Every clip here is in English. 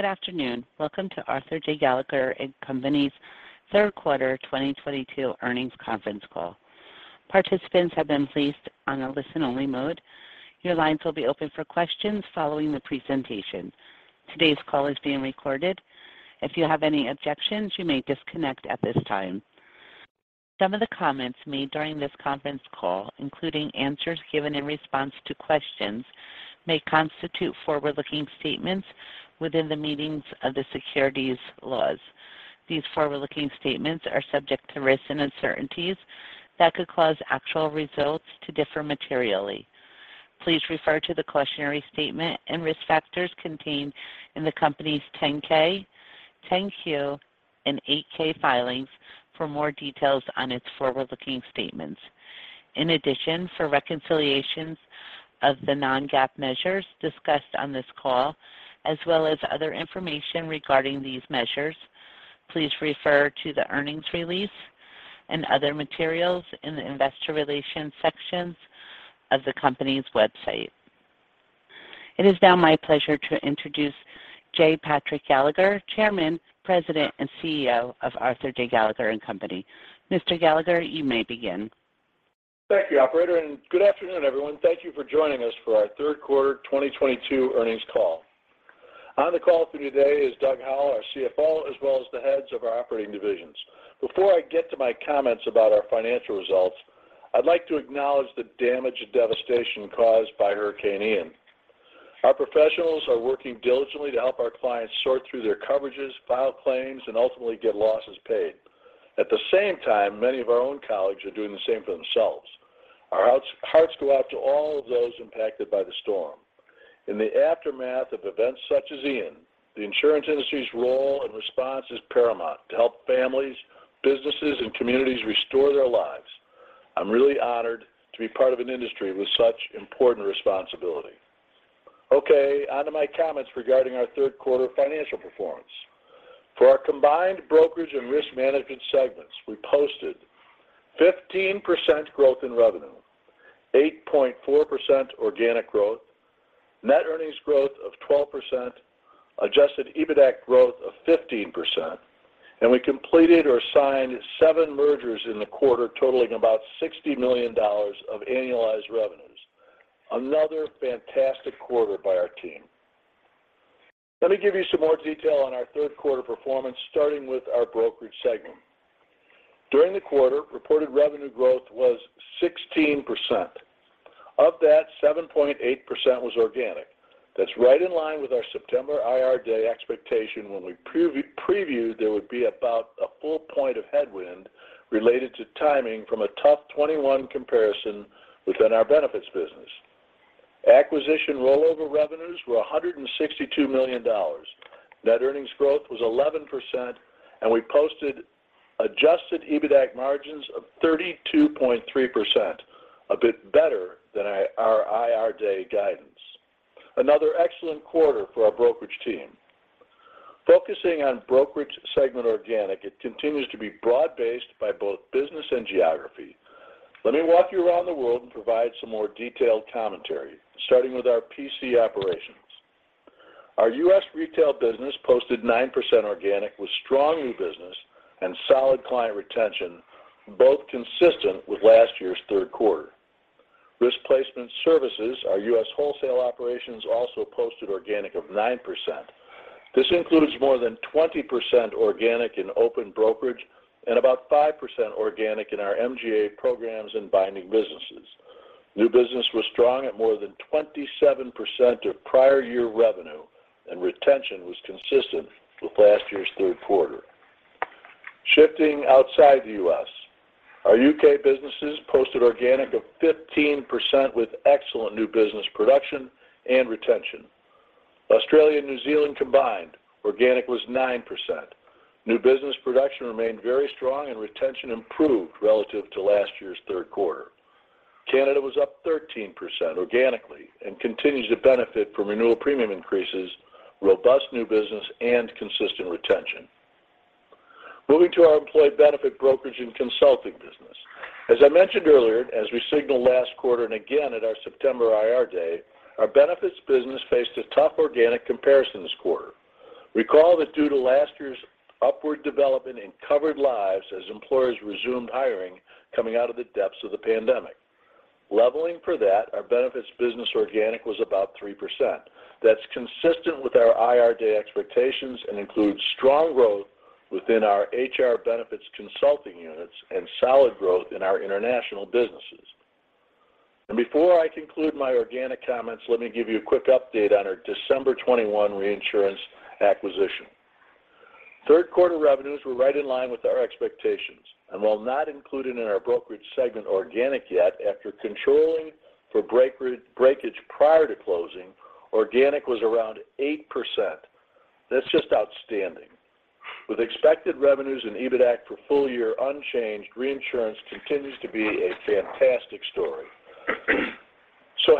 Good afternoon. Welcome to Arthur J. Gallagher & Co.'s Third Quarter 2022 Earnings Conference Call. Participants have been placed on a listen only mode. Your lines will be open for questions following the presentation. Today's call is being recorded. If you have any objections, you may disconnect at this time. Some of the comments made during this conference call, including answers given in response to questions, may constitute forward-looking statements within the meanings of the securities laws. These forward-looking statements are subject to risks and uncertainties that could cause actual results to differ materially. Please refer to the cautionary statement and risk factors contained in the Company's 10-K, 10-Q, and 8-K filings for more details on its forward-looking statements. In addition, for reconciliations of the non-GAAP measures discussed on this call, as well as other information regarding these measures, please refer to the earnings release and other materials in the Investor Relations sections of the company's website. It is now my pleasure to introduce J. Patrick Gallagher, Chairman, President, and CEO of Arthur J. Gallagher & Company. Mr. Gallagher, you may begin. Thank you, operator, and good afternoon, everyone. Thank you for joining us for our Third Quarter 2022 Earnings Call. On the call for today is Doug Howell, our CFO, as well as the heads of our operating divisions. Before I get to my comments about our financial results, I'd like to acknowledge the damage and devastation caused by Hurricane Ian. Our professionals are working diligently to help our clients sort through their coverages, file claims, and ultimately get losses paid. At the same time, many of our own colleagues are doing the same for themselves. Our hearts go out to all of those impacted by the storm. In the aftermath of events such as Ian, the insurance industry's role and response is paramount to help families, businesses, and communities restore their lives. I'm really honored to be part of an industry with such important responsibility. Okay, on to my comments regarding our third quarter financial performance. For our combined Brokerage and Risk Management segments, we posted 15% growth in revenue, 8.4% organic growth, net earnings growth of 12%, adjusted EBITAC growth of 15%, and we completed or signed seven mergers in the quarter, totaling about $60 million of annualized revenues. Another fantastic quarter by our team. Let me give you some more detail on our third quarter performance, starting with our Brokerage segment. During the quarter, reported revenue growth was 16%. Of that, 7.8% was organic. That's right in line with our September Investor Day expectation when we previewed there would be about a full point of headwind related to timing from a tough 2021 comparison within our benefits business. Acquisition rollover revenues were $162 million. Net earnings growth was 11%, and we posted adjusted EBITAC margins of 32.3%, a bit better than our Investor Day guidance. Another excellent quarter for our brokerage team. Focusing on brokerage segment organic, it continues to be broad-based by both business and geography. Let me walk you around the world and provide some more detailed commentary, starting with our PC operations. Our U.S. retail business posted 9% organic with strong new business and solid client retention, both consistent with last year's third quarter. Risk Placement Services, our U.S. wholesale operations, also posted organic of 9%. This includes more than 20% organic in open brokerage and about 5% organic in our MGA programs and binding businesses. New business was strong at more than 27% of prior year revenue, and retention was consistent with last year's third quarter. Shifting outside the U.S., our U.K. businesses posted organic of 15% with excellent new business production and retention. Australia and New Zealand combined, organic was 9%. New business production remained very strong and retention improved relative to last year's third quarter. Canada was up 13% organically and continues to benefit from renewal premium increases, robust new business, and consistent retention. Moving to our Employee Benefit Brokerage and Consulting business. As I mentioned earlier, as we signaled last quarter and again at our September Investor Day, our benefits business faced a tough organic comparison this quarter. Recall that due to last year's upward development in covered lives as employers resumed hiring coming out of the depths of the pandemic. Leveling for that, our benefits business organic was about 3%. That's consistent with our Investor Day expectations and includes strong growth within our HR benefits consulting units and solid growth in our international businesses. Before I conclude my organic comments, let me give you a quick update on our December 2021 reinsurance acquisition. Third quarter revenues were right in line with our expectations, and while not included in our Brokerage segment organic yet, after controlling for breakage prior to closing, organic was around 8%. That's just outstanding. With expected revenues and EBITAC for full year unchanged, reinsurance continues to be a fantastic story.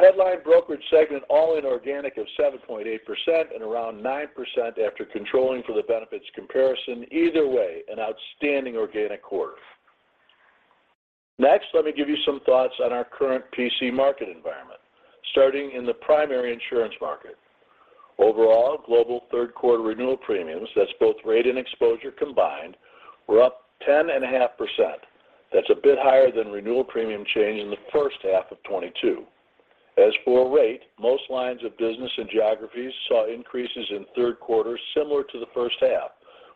Headline Brokerage segment all in organic of 7.8% and around 9% after controlling for the benefits comparison. Either way, an outstanding organic quarter. Next, let me give you some thoughts on our current PC market environment, starting in the primary insurance market. Overall, global third quarter renewal premiums, that's both rate and exposure combined, were up 10.5%. That's a bit higher than renewal premium change in the first half of 2022. As for rate, most lines of business and geographies saw increases in third quarter similar to the first half,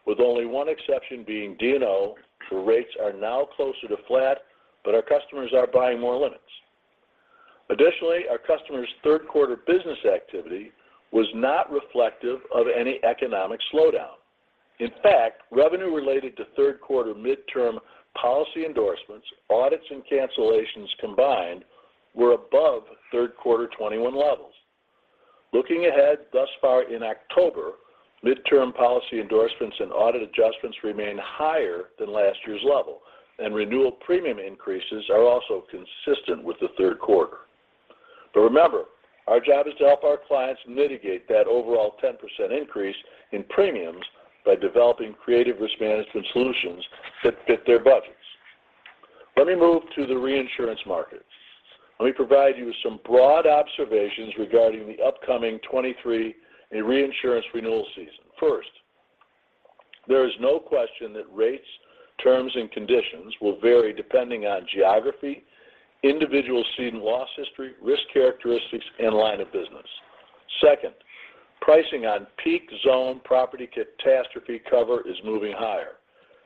with only one exception being D&O, where rates are now closer to flat, but our customers are buying more limits. Additionally, our customers' third quarter business activity was not reflective of any economic slowdown. In fact, revenue related to third quarter midterm policy endorsements, audits, and cancellations combined were above third quarter 2021 levels. Looking ahead, thus far in October, midterm policy endorsements and audit adjustments remain higher than last year's level, and renewal premium increases are also consistent with the third quarter. Remember, our job is to help our clients mitigate that overall 10% increase in premiums by developing creative risk management solutions that fit their budgets. Let me move to the reinsurance markets. Let me provide you with some broad observations regarding the upcoming 2023 reinsurance renewal season. First, there is no question that rates, terms, and conditions will vary depending on geography, individual ceding and loss history, risk characteristics, and line of business. Second, pricing on peak zone property catastrophe cover is moving higher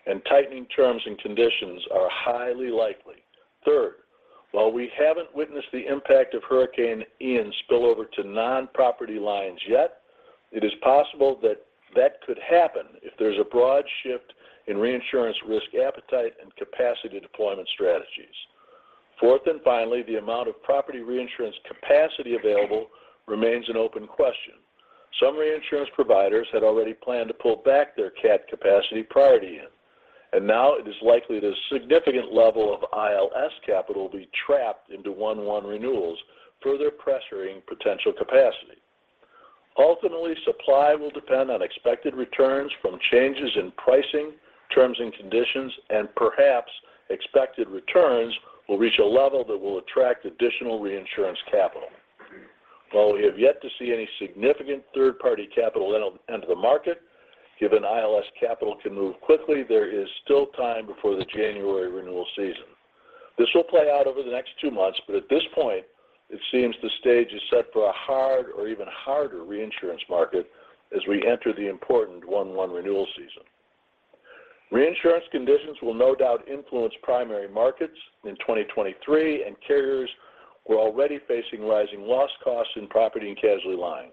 and tightening terms and conditions are highly likely. Third, while we haven't witnessed the impact of Hurricane Ian spill over to non-property lines yet, it is possible that that could happen if there's a broad shift in reinsurance risk appetite and capacity deployment strategies. Fourth, and finally, the amount of property reinsurance capacity available remains an open question. Some reinsurance providers had already planned to pull back their cat capacity prior to Ian, and now it is likely the significant level of ILS capital will be trapped into 1-1 renewals, further pressuring potential capacity. Ultimately, supply will depend on expected returns from changes in pricing, terms and conditions, and perhaps expected returns will reach a level that will attract additional reinsurance capital. While we have yet to see any significant third-party capital enter the market, given ILS capital can move quickly, there is still time before the January renewal season. This will play out over the next two months, but at this point it seems the stage is set for a hard or even harder reinsurance market as we enter the important 1-1 renewal season. Reinsurance conditions will no doubt influence primary markets in 2023, and carriers were already facing rising loss costs in property and casualty lines.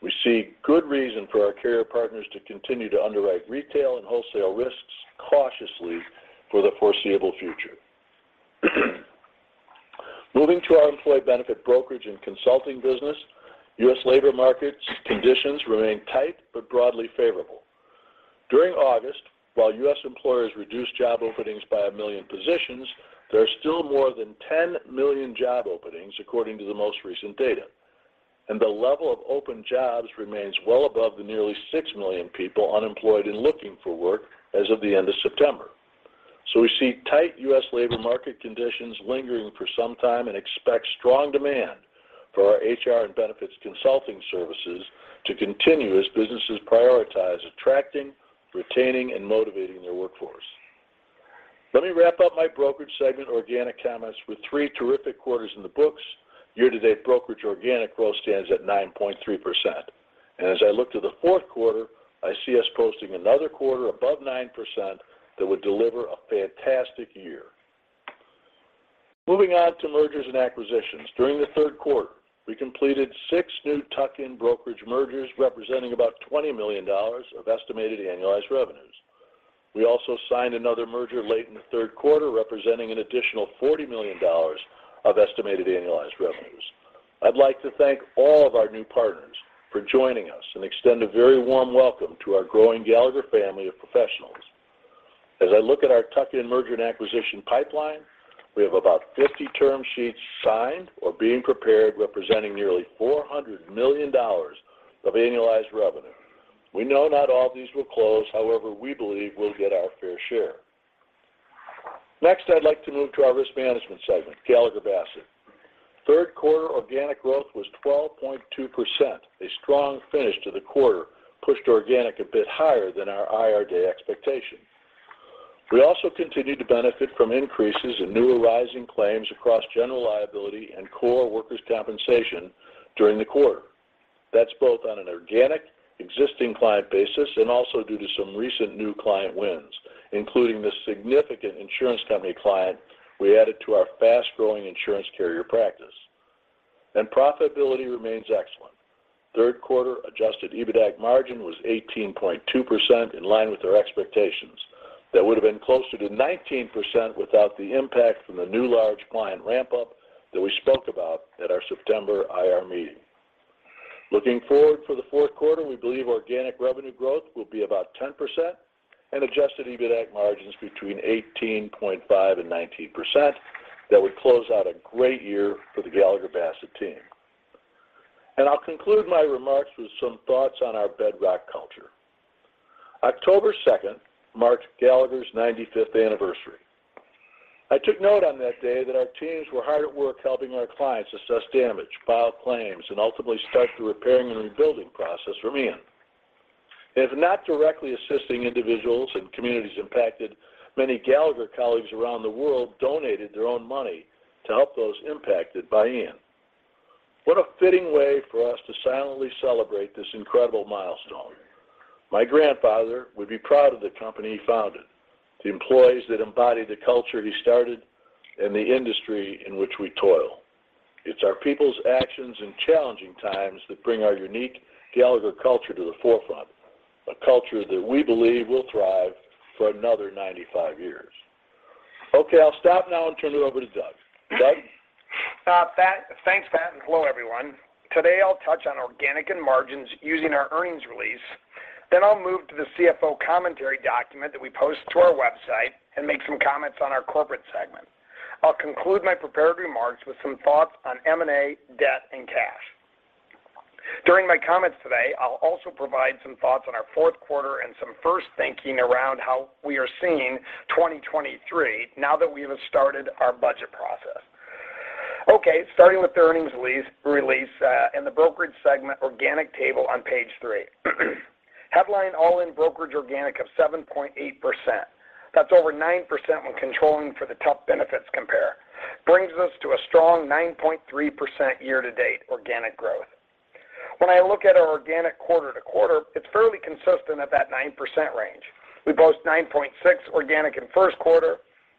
We see good reason for our carrier partners to continue to underwrite retail and wholesale risks cautiously for the foreseeable future. Moving to our Employee Benefit Brokerage and Consulting business, U.S. labor markets conditions remain tight but broadly favorable. During August, while U.S. employers reduced job openings by a million positions, there are still more than 10 million job openings, according to the most recent data. The level of open jobs remains well above the nearly six million people unemployed and looking for work as of the end of September. We see tight U.S. labor market conditions lingering for some time and expect strong demand for our HR and benefits consulting services to continue as businesses prioritize attracting, retaining, and motivating their workforce. Let me wrap up my brokerage segment organic comments with three terrific quarters in the books. Year-to-date brokerage organic growth stands at 9.3%. As I look to the fourth quarter, I see us posting another quarter above 9% that would deliver a fantastic year. Moving on to mergers and acquisitions. During the third quarter, we completed six new tuck-in brokerage mergers representing about $20 million of estimated annualized revenues. We also signed another merger late in the third quarter, representing an additional $40 million of estimated annualized revenues. I'd like to thank all of our new partners for joining us and extend a very warm welcome to our growing Gallagher family of professionals. As I look at our tuck-in merger and acquisition pipeline, we have about 50 term sheets signed or being prepared, representing nearly $400 million of annualized revenue. We know not all of these will close. However, we believe we'll get our fair share. Next, I'd like to move to our risk management segment, Gallagher Bassett. Third quarter organic growth was 12.2%. A strong finish to the quarter pushed organic a bit higher than our IR Day expectation. We also continued to benefit from increases in new arising claims across general liability and core workers' compensation during the quarter. That's both on an organic existing client basis and also due to some recent new client wins, including the significant insurance company client we added to our fast-growing insurance carrier practice. Profitability remains excellent. Third quarter adjusted EBITAC margin was 18.2%, in line with our expectations. That would have been closer to 19% without the impact from the new large client ramp-up that we spoke about at our September IR meeting. Looking forward for the fourth quarter, we believe organic revenue growth will be about 10% and adjusted EBITAC margins between 18.5% and 19%. That would close out a great year for the Gallagher Bassett team. I'll conclude my remarks with some thoughts on our bedrock culture. October 2nd, marked Gallagher's 95th anniversary. I took note on that day that our teams were hard at work helping our clients assess damage, file claims, and ultimately start the repairing and rebuilding process from Ian. If not directly assisting individuals and communities impacted, many Gallagher colleagues around the world donated their own money to help those impacted by Ian. What a fitting way for us to silently celebrate this incredible milestone. My grandfather would be proud of the company he founded, the employees that embody the culture he started, and the industry in which we toil. It's our people's actions in challenging times that bring our unique Gallagher culture to the forefront, a culture that we believe will thrive for another 95 years. Okay, I'll stop now and turn it over to Doug. Doug? Thanks, Pat, and hello, everyone. Today I'll touch on organic and margins using our earnings release. Then I'll move to the CFO commentary document that we post to our website and make some comments on our corporate segment. I'll conclude my prepared remarks with some thoughts on M&A, debt, and cash. During my comments today, I'll also provide some thoughts on our fourth quarter and some first thinking around how we are seeing 2023, now that we have started our budget process. Okay, starting with the earnings release and the brokerage segment organic table on page three. Headline all-in brokerage organic of 7.8%. That's over 9% when controlling for the tough benefits compare. Brings us to a strong 9.3% year-to-date organic growth. When I look at our organic quarter-over-quarter, it's fairly consistent at that 9% range. We boast 9.6% organic in first quarter,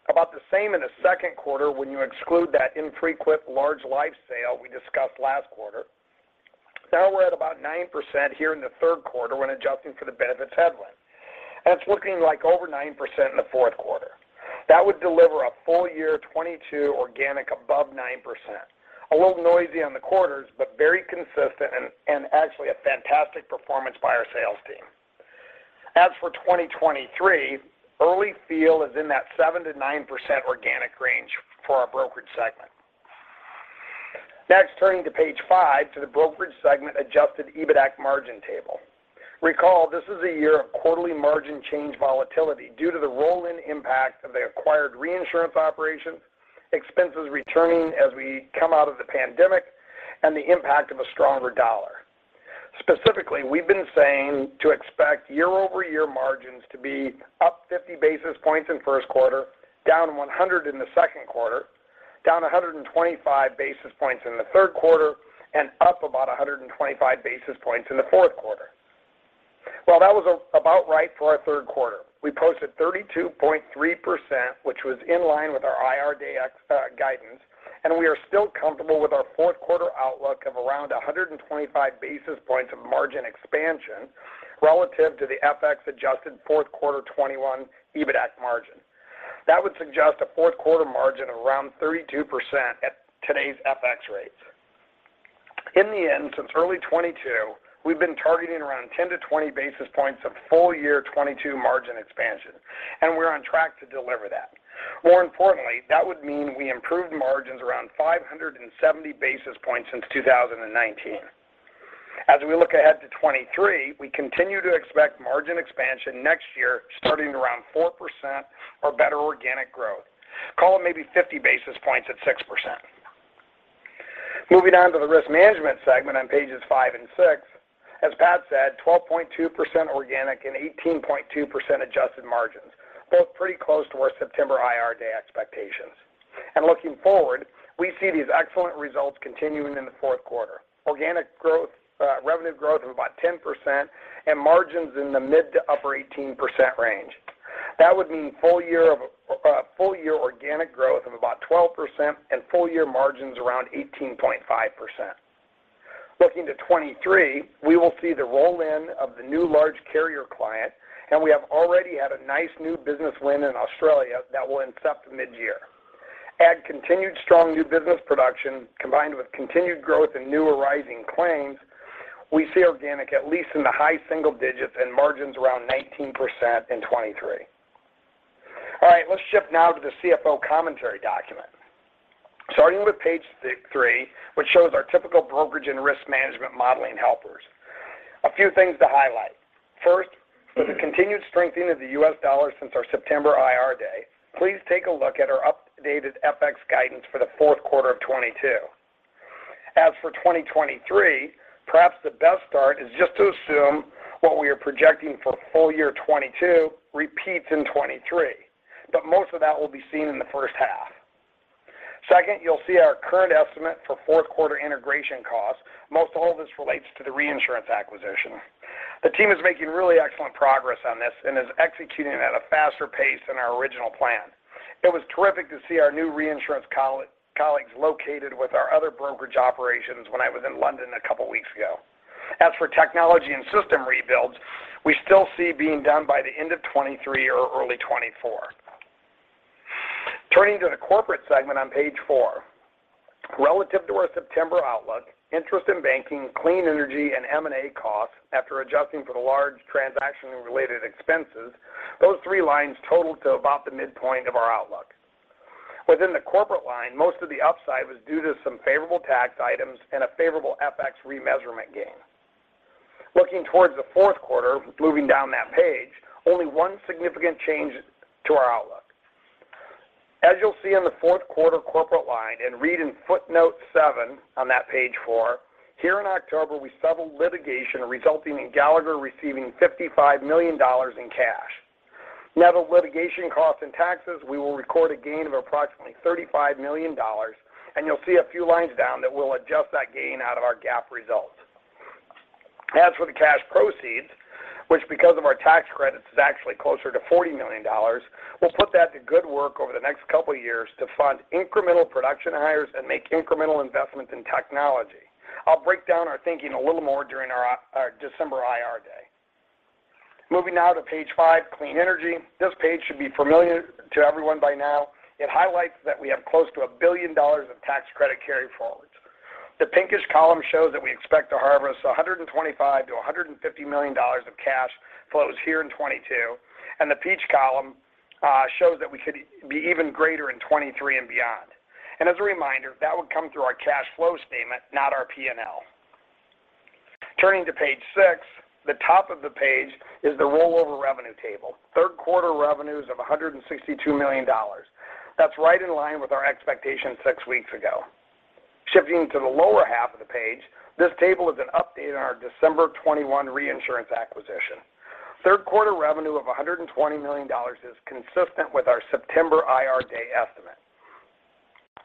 about the same in the second quarter when you exclude that infrequent large life sale we discussed last quarter. Now we're at about 9% here in the third quarter when adjusting for the benefits headline. It's looking like over 9% in the fourth quarter. That would deliver a full year 2022 organic above 9%. A little noisy on the quarters, but very consistent and actually a fantastic performance by our sales team. As for 2023, early feel is in that 7%-9% organic range for our brokerage segment. Next, turning to page five to the brokerage segment adjusted EBITAC margin table. Recall, this is a year of quarterly margin change volatility due to the roll-in impact of the acquired reinsurance operations, expenses returning as we come out of the pandemic, and the impact of a stronger dollar. Specifically, we've been saying to expect year-over-year margins to be up 50 basis points in first quarter, down 100 in the second quarter, down 125 basis points in the third quarter, and up about 125 basis points in the fourth quarter. Well, that was about right for our third quarter. We posted 32.3%, which was in line with our IR Day guidance, and we are still comfortable with our fourth quarter outlook of around 125 basis points of margin expansion relative to the FX-adjusted fourth quarter 2021 EBITAC margin. That would suggest a fourth quarter margin of around 32% at today's FX rates. In the end, since early 2022, we've been targeting around 10–20 basis points of full year 2022 margin expansion, and we're on track to deliver that. More importantly, that would mean we improved margins around 570 basis points since 2019. As we look ahead to 2023, we continue to expect margin expansion next year, starting around 4% or better organic growth. Call it maybe 50 basis points at 6%. Moving on to the Risk Management segment on pages five and six. As Pat said, 12.2% organic and 18.2% adjusted margins, both pretty close to our September IR Day expectations. Looking forward, we see these excellent results continuing in the fourth quarter. Organic growth, revenue growth of about 10% and margins in the mid to upper-18% range. That would mean full year organic growth of about 12% and full year margins around 18.5%. Looking to 2023, we will see the roll-in of the new large carrier client, and we have already had a nice new business win in Australia that will accrue mid-year. Continued strong new business production combined with continued growth in new arising claims, we see organic at least in the high single digits and margins around 19% in 2023. All right, let's shift now to the CFO commentary document. Starting with page three, which shows our typical brokerage and risk management modeling helpers. A few things to highlight. First, with the continued strengthening of the U.S. dollar since our September IR Day, please take a look at our updated FX guidance for the fourth quarter of 2022. As for 2023, perhaps the best start is just to assume what we are projecting for full year 2022 repeats in 2023, but most of that will be seen in the first half. Second, you'll see our current estimate for fourth quarter integration costs. Most all of this relates to the reinsurance acquisition. The team is making really excellent progress on this and is executing at a faster pace than our original plan. It was terrific to see our new reinsurance colleagues located with our other brokerage operations when I was in London a couple weeks ago. As for technology and system rebuilds, we still see being done by the end of 2023 or early 2024. Turning to the corporate segment on page four. Relative to our September outlook, Interest in Banking, Clean Energy, and M&A costs after adjusting for the large transaction-related expenses, those three lines total to about the midpoint of our outlook. Within the corporate line, most of the upside was due to some favorable tax items and a favorable FX remeasurement gain. Looking towards the fourth quarter, moving down that page, only one significant change to our outlook. As you'll see in the fourth quarter corporate line and read in footnote seven on that page four, here in October, we settled litigation resulting in Gallagher receiving $55 million in cash. Net of litigation costs and taxes, we will record a gain of approximately $35 million, and you'll see a few lines down that we'll adjust that gain out of our GAAP results. As for the cash proceeds, which because of our tax credits, is actually closer to $40 million, we'll put that to good work over the next couple of years to fund incremental production hires and make incremental investments in technology. I'll break down our thinking a little more during our December IR Day. Moving now to page five, Clean Energy. This page should be familiar to everyone by now. It highlights that we have close to $1 billion of tax credit carryforwards. The pinkish column shows that we expect to harvest $125 million-$150 million of cash flows here in 2022, and the peach column shows that we could be even greater in 2023 and beyond. As a reminder, that would come through our cash flow statement, not our P&L. Turning to page six, the top of the page is the rollover revenue table. Third quarter revenues of $162 million. That's right in line with our expectations six weeks ago. Shifting to the lower half of the page, this table is an update on our December 2021 reinsurance acquisition. Third quarter revenue of $120 million is consistent with our September IR Day estimate.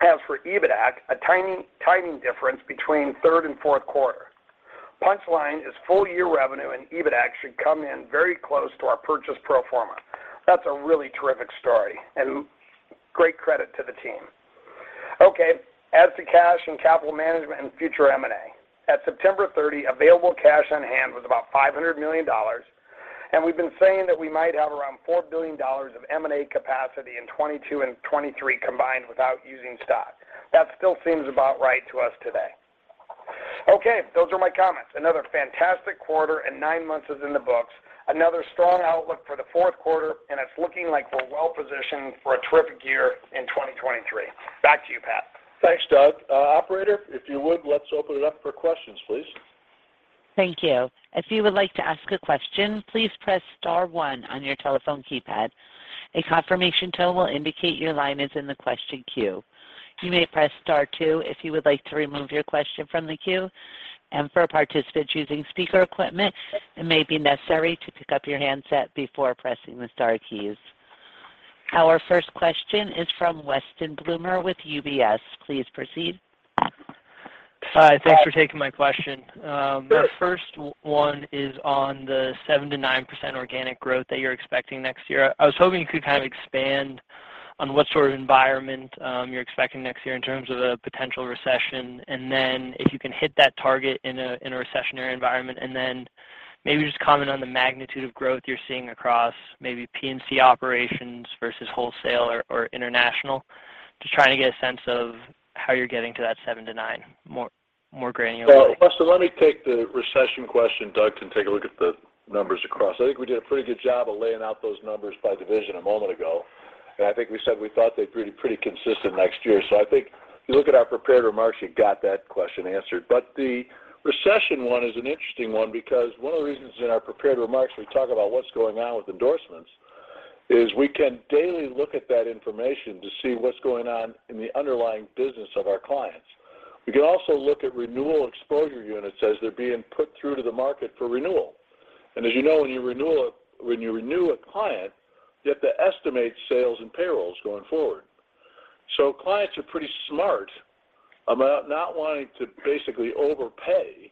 As for EBITDA, a tiny timing difference between third and fourth quarter. Punchline is full year revenue, and EBITDA should come in very close to our purchase pro forma. That's a really terrific story and great credit to the team. Okay, as to cash and capital management and future M&A. At September 30, available cash on hand was about $500 million, and we've been saying that we might have around $4 billion of M&A capacity in 2022 and 2023 combined without using stock. That still seems about right to us today. Okay, those are my comments. Another fantastic quarter and nine months is in the books. Another strong outlook for the fourth quarter, and it's looking like we're well-positioned for a terrific year in 2023. Back to you, Pat. Thanks, Doug. Operator, if you would, let's open it up for questions, please. Thank you. If you would like to ask a question, please press star one on your telephone keypad. A confirmation tone will indicate your line is in the question queue. You may press star two if you would like to remove your question from the queue. For participants using speaker equipment, it may be necessary to pick up your handset before pressing the star keys. Our first question is from Weston Bloomer with UBS. Please proceed. Hi. Thanks for taking my question. The first one is on the 7%-9% organic growth that you're expecting next year. I was hoping you could kind of expand on what sort of environment you're expecting next year in terms of a potential recession. If you can hit that target in a recessionary environment, then maybe just comment on the magnitude of growth you're seeing across maybe P&C operations versus wholesale or international. Just trying to get a sense of how you're getting to that 7%-9% more granularly. Well, Weston, let me take the recession question. Doug can take a look at the numbers across. I think we did a pretty good job of laying out those numbers by division a moment ago. I think we said we thought they'd be pretty consistent next year. I think if you look at our prepared remarks, you got that question answered. The recession one is an interesting one because one of the reasons in our prepared remarks, we talk about what's going on with endorsements, is we can daily look at that information to see what's going on in the underlying business of our clients. We can also look at renewal exposure units as they're being put through to the market for renewal. As you know, when you renew a client, you have to estimate sales and payrolls going forward. Clients are pretty smart about not wanting to basically overpay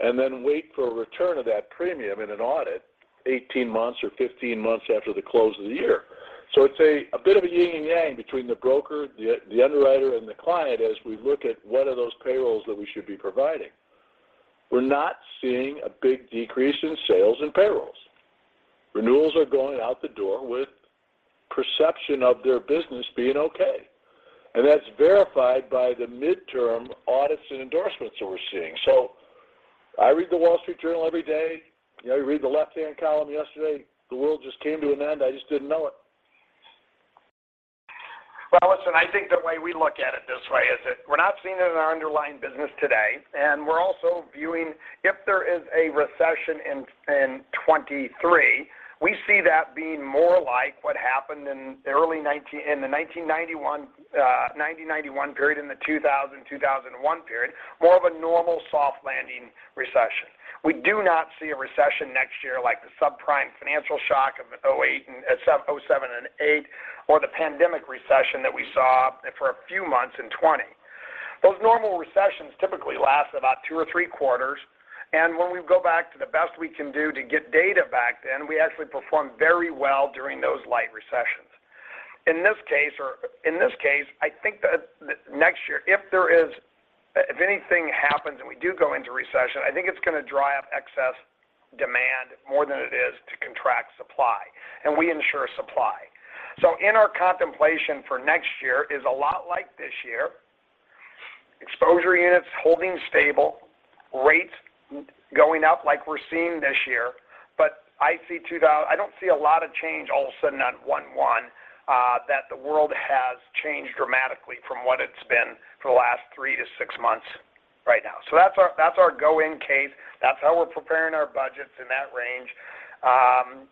and then wait for a return of that premium in an audit 18 months or 15 months after the close of the year. It's a bit of a yin and yang between the broker, the underwriter, and the client as we look at what are those payrolls that we should be providing. We're not seeing a big decrease in sales and payrolls. Renewals are going out the door with perception of their business being okay, and that's verified by the midterm audits and endorsements that we're seeing. I read The Wall Street Journal every day. You know, you read the left-hand column yesterday, the world just came to an end. I just didn't know it. Well, listen, I think the way we look at it this way is that we're not seeing it in our underlying business today, and we're also viewing if there is a recession in 2023, we see that being more like what happened in the 1991 period, in the 2001 period, more of a normal soft landing recession. We do not see a recession next year like the subprime financial shock of 2008, 2007 and 2008, or the pandemic recession that we saw for a few months in 2020. Those normal recessions typically last about two or three quarters, and when we go back to the best we can do to get data back then, we actually performed very well during those light recessions. In this case, I think that next year, if anything happens and we do go into recession, I think it's going to dry up excess demand more than it is to contract supply. We ensure supply. In our contemplation for next year is a lot like this year. Closure units holding stable, rates going up like we're seeing this year. I don't see a lot of change all of a sudden on 1/1 that the world has changed dramatically from what it's been for the last three to six months right now. That's our go-in case. That's how we're preparing our budgets in that range.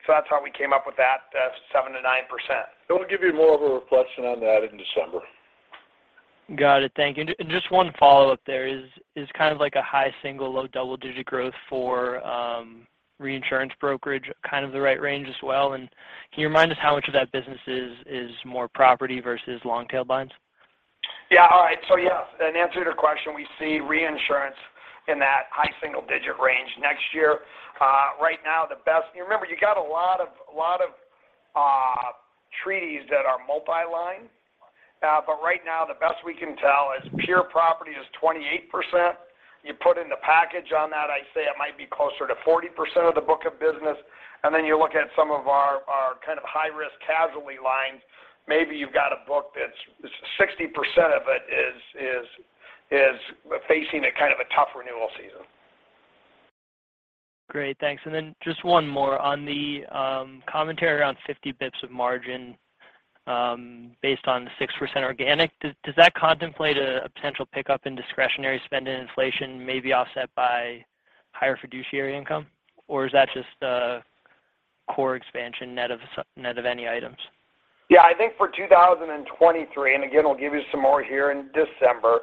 That's how we came up with that 7%-9%. It'll give you more of a reflection on that in December. Got it. Thank you. Just one follow-up there. Is kind of like a high single, low double-digit growth for reinsurance brokerage kind of the right range as well? Can you remind us how much of that business is more property versus long-tail lines? In answer to your question, we see reinsurance in that high single-digit range next year. Right now, remember, you got a lot of treaties that are multi-line. Right now, the best we can tell is pure property is 28%. You put in the package on that, I say it might be closer to 40% of the book of business. Then you look at some of our kind of high-risk casualty lines, maybe you've got a book that's 60% of it is facing a kind of a tough renewal season. Great. Thanks. Then just one more. On the commentary around 50 basis points of margin, based on the 6% organic, does that contemplate a potential pickup in discretionary spend and inflation may be offset by higher fiduciary income? Or is that just a core expansion net of any items? Yeah. I think for 2023, and again, we'll give you some more here in December,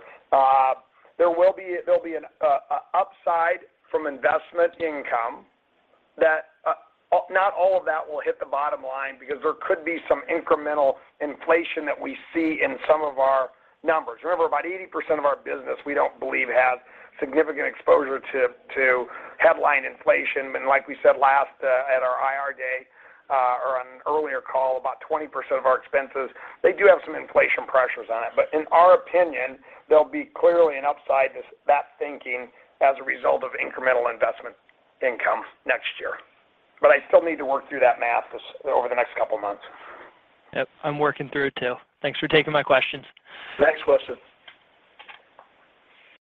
there'll be an upside from investment income that, not all of that will hit the bottom line, because there could be some incremental inflation that we see in some of our numbers. Remember, about 80% of our business, we don't believe has significant exposure to headline inflation. But like we said last, at our IR Day, or on an earlier call, about 20% of our expenses, they do have some inflation pressures on it. But in our opinion, there'll be clearly an upside to that thinking as a result of incremental investment income next year. But I still need to work through that math over the next couple of months. Yep. I'm working through it, too. Thanks for taking my questions. Next question.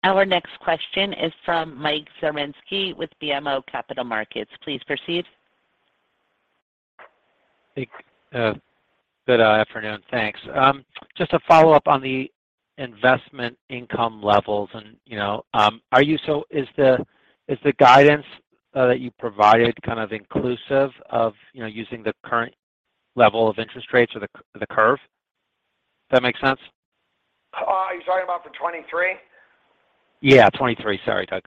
Our next question is from Mike Zaremski with BMO Capital Markets. Please proceed. Hey. Good afternoon. Thanks. Just a follow-up on the investment income levels and, you know, so is the guidance that you provided kind of inclusive of, you know, using the current level of interest rates or the curve? Does that make sense? Are you talking about for 2023? Yeah, 2023. Sorry, Doug.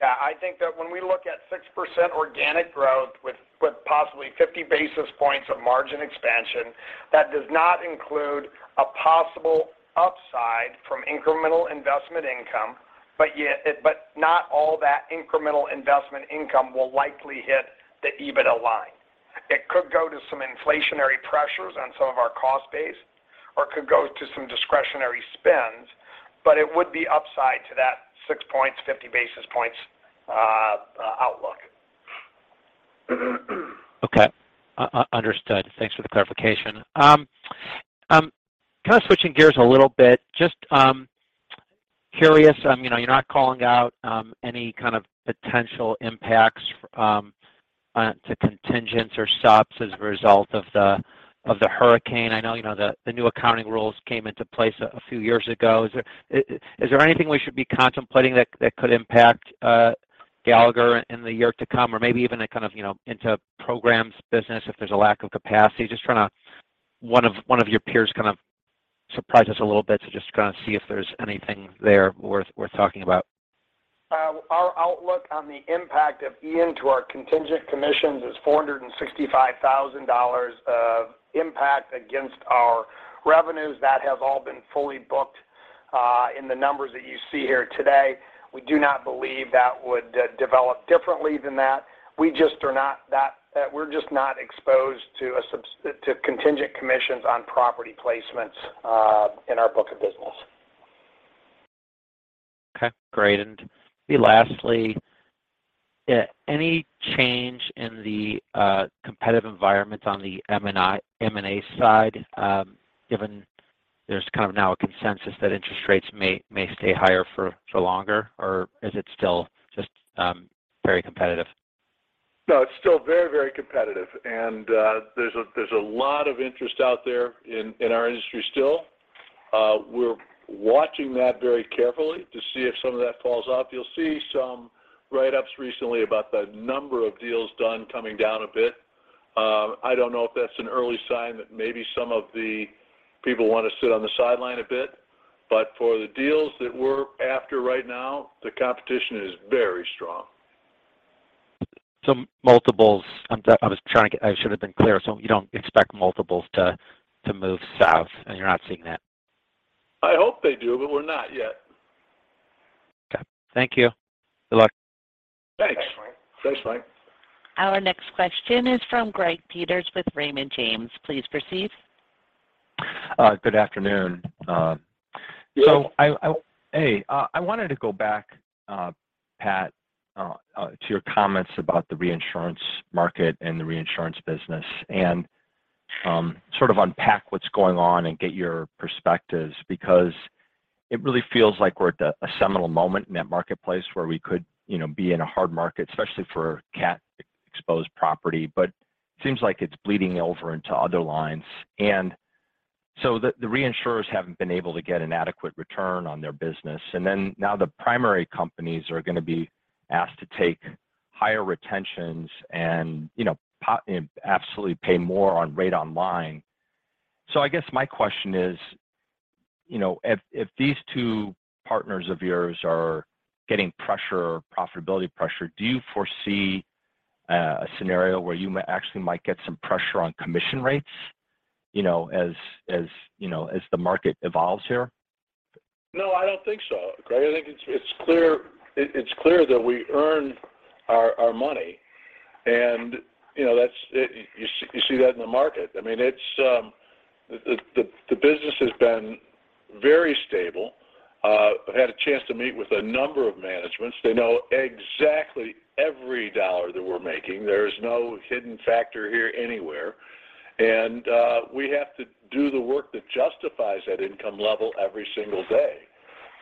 Yeah. I think that when we look at 6% organic growth with possibly 50 basis points of margin expansion, that does not include a possible upside from incremental investment income, but not all that incremental investment income will likely hit the EBITDA line. It could go to some inflationary pressures on some of our cost base, or it could go to some discretionary spends, but it would be upside to that six points, 50 basis points, outlook. Okay. Understood. Thanks for the clarification. Kind of switching gears a little bit, just curious, you know, you're not calling out any kind of potential impacts to contingents or subs as a result of the hurricane. I know, you know, the new accounting rules came into place a few years ago. Is there anything we should be contemplating that could impact Gallagher in the year to come, or maybe even a kind of, you know, into programs business if there's a lack of capacity? Just trying to. One of your peers kind of surprised us a little bit, so just kinda see if there's anything there worth talking about. Our outlook on the impact of Ian to our contingent commissions is $465,000 of impact against our revenues. That have all been fully booked in the numbers that you see here today. We do not believe that would develop differently than that. We're just not exposed to contingent commissions on property placements in our book of business. Okay, great. Lastly, any change in the competitive environment on the M&A side, given there's kind of now a consensus that interest rates may stay higher for longer? Or is it still just very competitive? No, it's still very, very competitive. There's a lot of interest out there in our industry still. We're watching that very carefully to see if some of that falls off. You'll see some write-ups recently about the number of deals done coming down a bit. I don't know if that's an early sign that maybe some of the people want to sit on the sideline a bit. For the deals that we're after right now, the competition is very strong. I should have been clear. You don't expect multiples to move south, and you're not seeing that? I hope they do, but we're not yet. Okay. Thank you. Good luck. Thanks. Thanks, Mike. Our next question is from Greg Peters with Raymond James. Please proceed. Good afternoon. Yes. I wanted to go back, Pat, to your comments about the reinsurance market and the reinsurance business. Sort of unpack what's going on and get your perspectives because it really feels like we're at a seminal moment in that marketplace where we could, you know, be in a hard market, especially for cat exposed property, but seems like it's bleeding over into other lines. The reinsurers haven't been able to get an adequate return on their business, and then now the primary companies are gonna be asked to take higher retentions and, you know, absolutely pay more on rate on line. I guess my question is, you know, if these two partners of yours are getting pressure, or profitability pressure, do you foresee a scenario where you actually might get some pressure on commission rates, you know, as you know, as the market evolves here? No, I don't think so, Greg. I think it's clear that we earn our money and, you know, that's, you see that in the market. I mean, it's, the business has been very stable. I've had a chance to meet with a number of managements. They know exactly every dollar that we're making. There is no hidden factor here anywhere, and we have to do the work that justifies that income level every single day.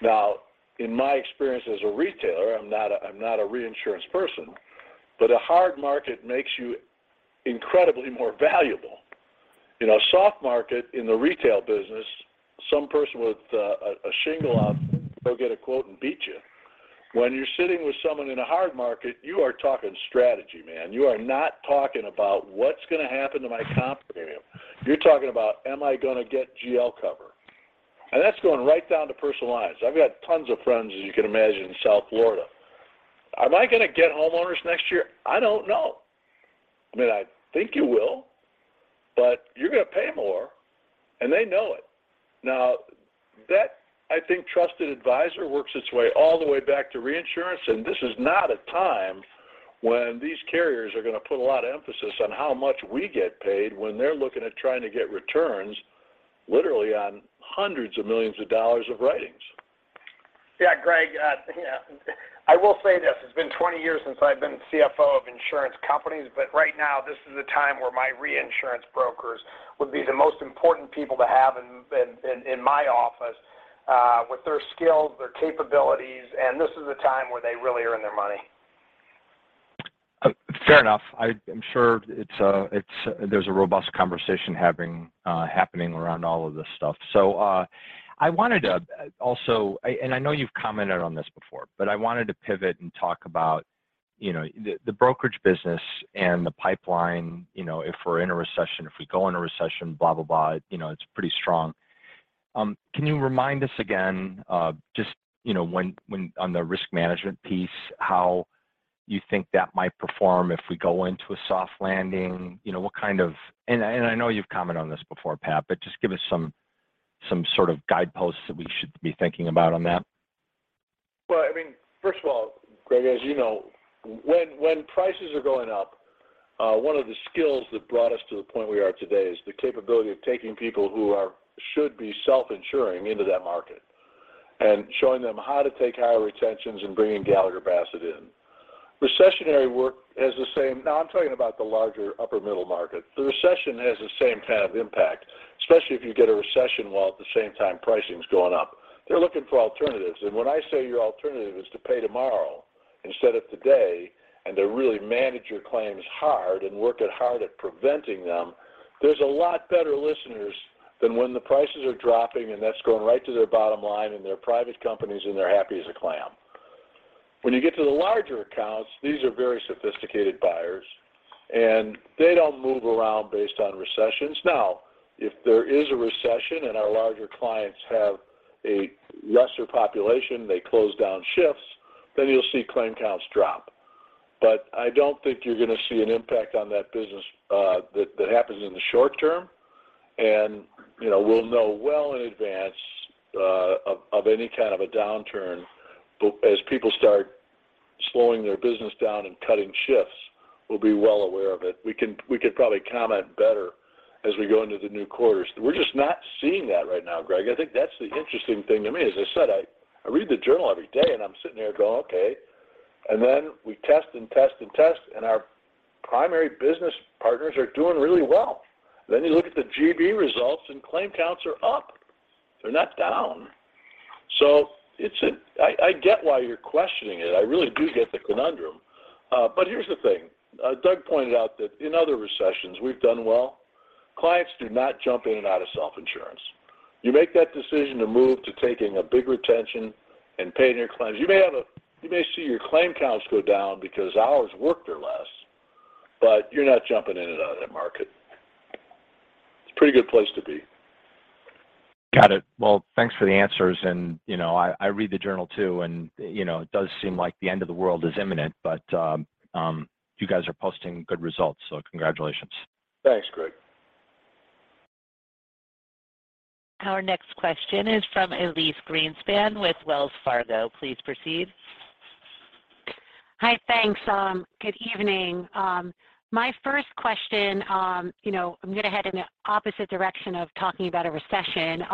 Now, in my experience as a retailer, I'm not a reinsurance person, but a hard market makes you incredibly more valuable. You know, soft market in the retail business, some person with a shingle on will get a quote and beat you. When you're sitting with someone in a hard market, you are talking strategy, man. You are not talking about what's gonna happen to my comp premium. You're talking about, am I gonna get GL cover? That's going right down to personal lines. I've got tons of friends, as you can imagine, in South Florida. Am I gonna get homeowners next year? I don't know. I mean, I think you will, but you're gonna pay more, and they know it. Now that, I think, trusted advisor works its way all the way back to reinsurance, and this is not a time when these carriers are gonna put a lot of emphasis on how much we get paid when they're looking at trying to get returns literally on hundreds of millions of dollars of writings. Yeah, Greg, yeah. I will say this, it's been 20 years since I've been CFO of insurance companies, but right now, this is a time where my reinsurance brokers would be the most important people to have in my office with their skills, their capabilities, and this is a time where they really earn their money. Fair enough. I'm sure there's a robust conversation happening around all of this stuff. I wanted to also, and I know you've commented on this before, but I wanted to pivot and talk about, you know, the brokerage business and the pipeline, you know, if we're in a recession, if we go in a recession, blah, blah. You know, it's pretty strong. Can you remind us again, just, you know, when, on the risk management piece, how you think that might perform if we go into a soft landing. You know, what kind of, I know you've commented on this before, Pat, but just give us some sort of guideposts that we should be thinking about on that. Well, I mean, first of all, Greg, as you know, when prices are going up, one of the skills that brought us to the point we are today is the capability of taking people who should be self-insuring into that market and showing them how to take higher retentions and bringing Gallagher Bassett in. Recessionary work has the same—now I'm talking about the larger upper middle market—the recession has the same kind of impact, especially if you get a recession while at the same time pricing's going up. They're looking for alternatives. When I say your alternative is to pay tomorrow instead of today, and to really manage your claims hard and work hard at preventing them, there's a lot better listeners than when the prices are dropping, and that's going right to their bottom line, and they're private companies, and they're happy as a clam. When you get to the larger accounts, these are very sophisticated buyers, and they don't move around based on recessions. Now, if there is a recession and our larger clients have a lesser population, they close down shifts, then you'll see claim counts drop. I don't think you're gonna see an impact on that business, that happens in the short term. You know, we'll know well in advance of any kind of a downturn as people start slowing their business down and cutting shifts, we'll be well aware of it. We can probably comment better as we go into the new quarters. We're just not seeing that right now, Greg. I think that's the interesting thing to me. As I said, I read the Journal every day, and I'm sitting here going, okay. Then we test and test and test, and our primary business partners are doing really well. Then you look at the GB results, and claim counts are up, they’re not down. So I get why you're questioning it. I really do get the conundrum. Here's the thing. Doug pointed out that in other recessions we've done well. Clients do not jump in and out of self-insurance. You make that decision to move to taking a big retention and paying your claims. You may see your claim counts go down because hours worked are less, but you're not jumping in and out of that market. It's a pretty good place to be. Got it. Well, thanks for the answers. you know, I read the journal too, and, you know, it does seem like the end of the world is imminent, but you guys are posting good results, so congratulations. Thanks, Greg. Our next question is from Elyse Greenspan with Wells Fargo. Please proceed. Hi. Thanks. Good evening. My first question, you know, I'm gonna head in the opposite direction of talking about a recession. You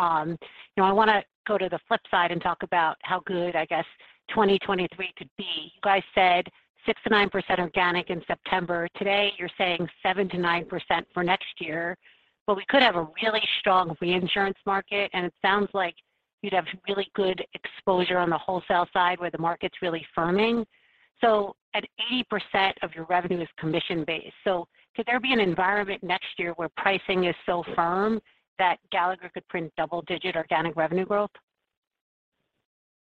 know, I wanna go to the flip side and talk about how good, I guess, 2023 could be. You guys said 6%-9% organic in September. Today, you're saying 7%-9% for next year, but we could have a really strong reinsurance market, and it sounds like you'd have really good exposure on the wholesale side where the market's really firming. At 80% of your revenue is commission-based. Could there be an environment next year where pricing is so firm that Gallagher could print double-digit organic revenue growth?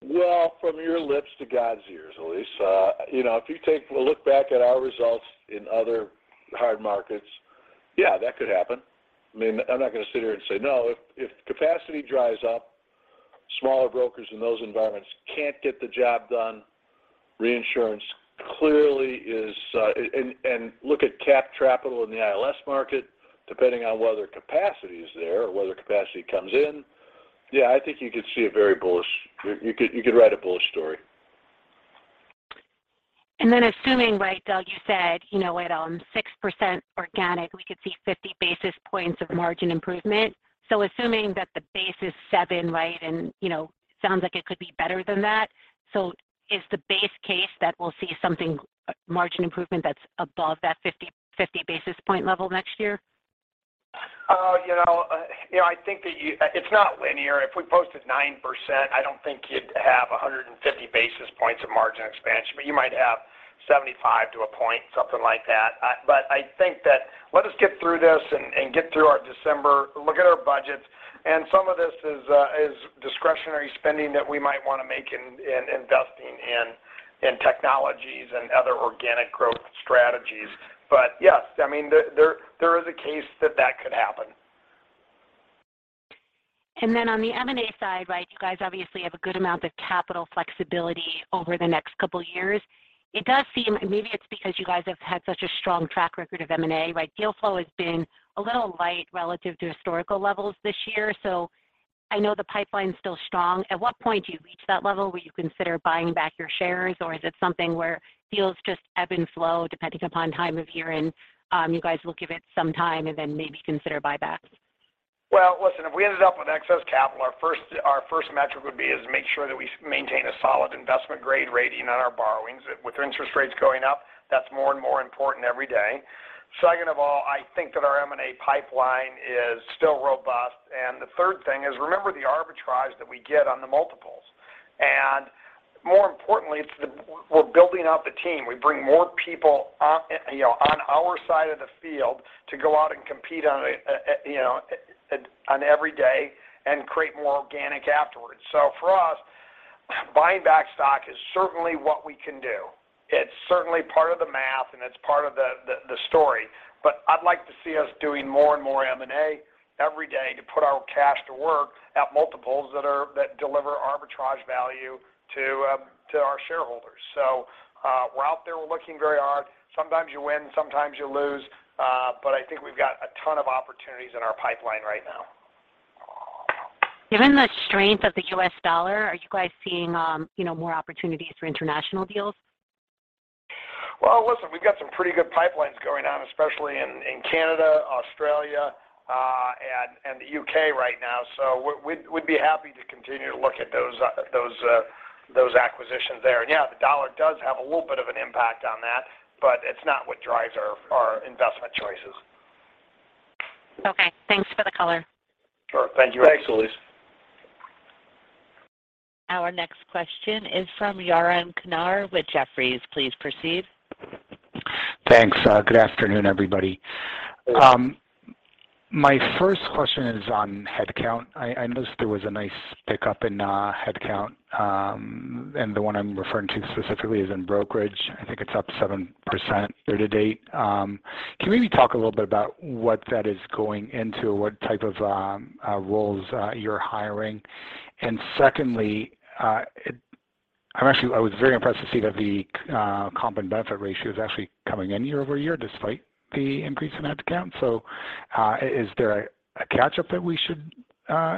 Well, from your lips to God's ears, Elysse. You know, if you take a look back at our results in other hard markets, yeah, that could happen. I mean, I'm not going to sit here and say no. If capacity dries up, smaller brokers in those environments can't get the job done. Reinsurance clearly is. Look at cat capital in the ILS market, depending on whether capacity is there or whether capacity comes in. Yeah, I think you could see a very bullish. You could write a bullish story. Assuming, right, Doug, you said, you know, at 6% organic, we could see 50 basis points of margin improvement. Assuming that the base is 7%, right? You know, sounds like it could be better than that. Is the base case that we'll see something, margin improvement that's above that 50 basis point level next year? You know, I think that it's not linear. If we posted 9%, I don't think you'd have 150 basis points of margin expansion, but you might have 75 to a point, something like that. I think that, let us get through this and get through our December, look at our budgets, and some of this is discretionary spending that we might want to make in investing in technologies and other organic growth strategies. Yes, I mean, there is a case that could happen. On the M&A side, right, you guys obviously have a good amount of capital flexibility over the next couple years. It does seem, maybe it's because you guys have had such a strong track record of M&A, right? Deal flow has been a little light relative to historical levels this year. I know the pipeline's still strong. At what point do you reach that level where you consider buying back your shares? Is it something where deals just ebb and flow depending upon time of year and, you guys will give it some time and then maybe consider buybacks? Well, listen, if we ended up with excess capital, our first metric would be is make sure that we maintain a solid investment grade rating on our borrowings. With interest rates going up, that's more and more important every day. Second of all, I think that our M&A pipeline is still robust. The third thing is, remember the arbitrage that we get on the multiples. More importantly, it's the, we're building out the team. We bring more people on, you know, on our side of the field to go out and compete on a, you know, on every day and create more organic afterwards. For us, buying back stock is certainly what we can do. It's certainly part of the math, and it's part of the story. I'd like to see us doing more and more M&A every day to put our cash to work at multiples that deliver arbitrage value to our shareholders. We're out there. We're looking very hard. Sometimes you win, sometimes you lose, but I think we've got a ton of opportunities in our pipeline right now. Given the strength of the U.S. dollar, are you guys seeing, you know, more opportunities for international deals? Well, listen, we've got some pretty good pipelines going on, especially in Canada, Australia, and the U.K. right now. We'd be happy to continue to look at those acquisitions there. Yeah, the dollar does have a little bit of an impact on that, but it's not what drives our investment choices. Okay. Thanks for the color. Sure. Thank you. Thanks, Elyse. Our next question is from Yaron Kinar with Jefferies. Please proceed. Thanks. Good afternoon, everybody. My first question is on headcount. I noticed there was a nice pickup in headcount, and the one I'm referring to specifically is in brokerage. I think it's up 7% year-to-date. Can you maybe talk a little bit about what that is going into? What type of roles you're hiring? And secondly, I was very impressed to see that the comp and benefit ratio is actually coming in year-over-year despite the increase in headcount. Is there a catch-up that we should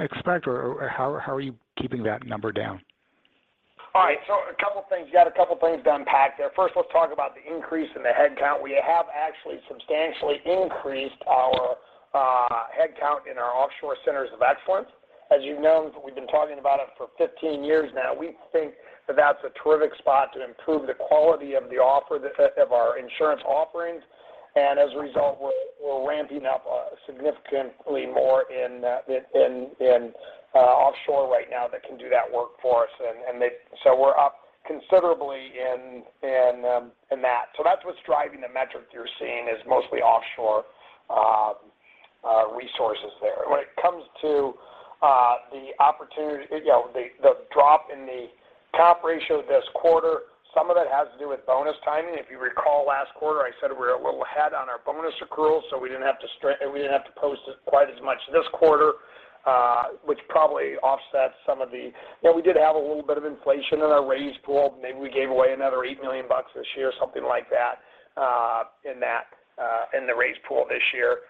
expect, or how are you keeping that number down? All right. A couple of things. You got a couple of things to unpack there. First, let's talk about the increase in the headcount. We have actually substantially increased our headcount in our offshore centers of excellence. As you know, we've been talking about it for 15 years now. We think that that's a terrific spot to improve the quality of our insurance offerings. As a result, we're ramping up significantly more in offshore right now that can do that work for us. We're up considerably in that. That's what's driving the metric you're seeing is mostly offshore resources there. When it comes to the opportunity, you know, the drop in the cap ratio this quarter, some of that has to do with bonus timing. If you recall last quarter, I said we're a little ahead on our bonus accrual, so we didn't have to post quite as much this quarter, which probably offsets some of the, you know, we did have a little bit of inflation in our raise pool. Maybe we gave away another $8 million this year, something like that, in that, in the raise pool this year.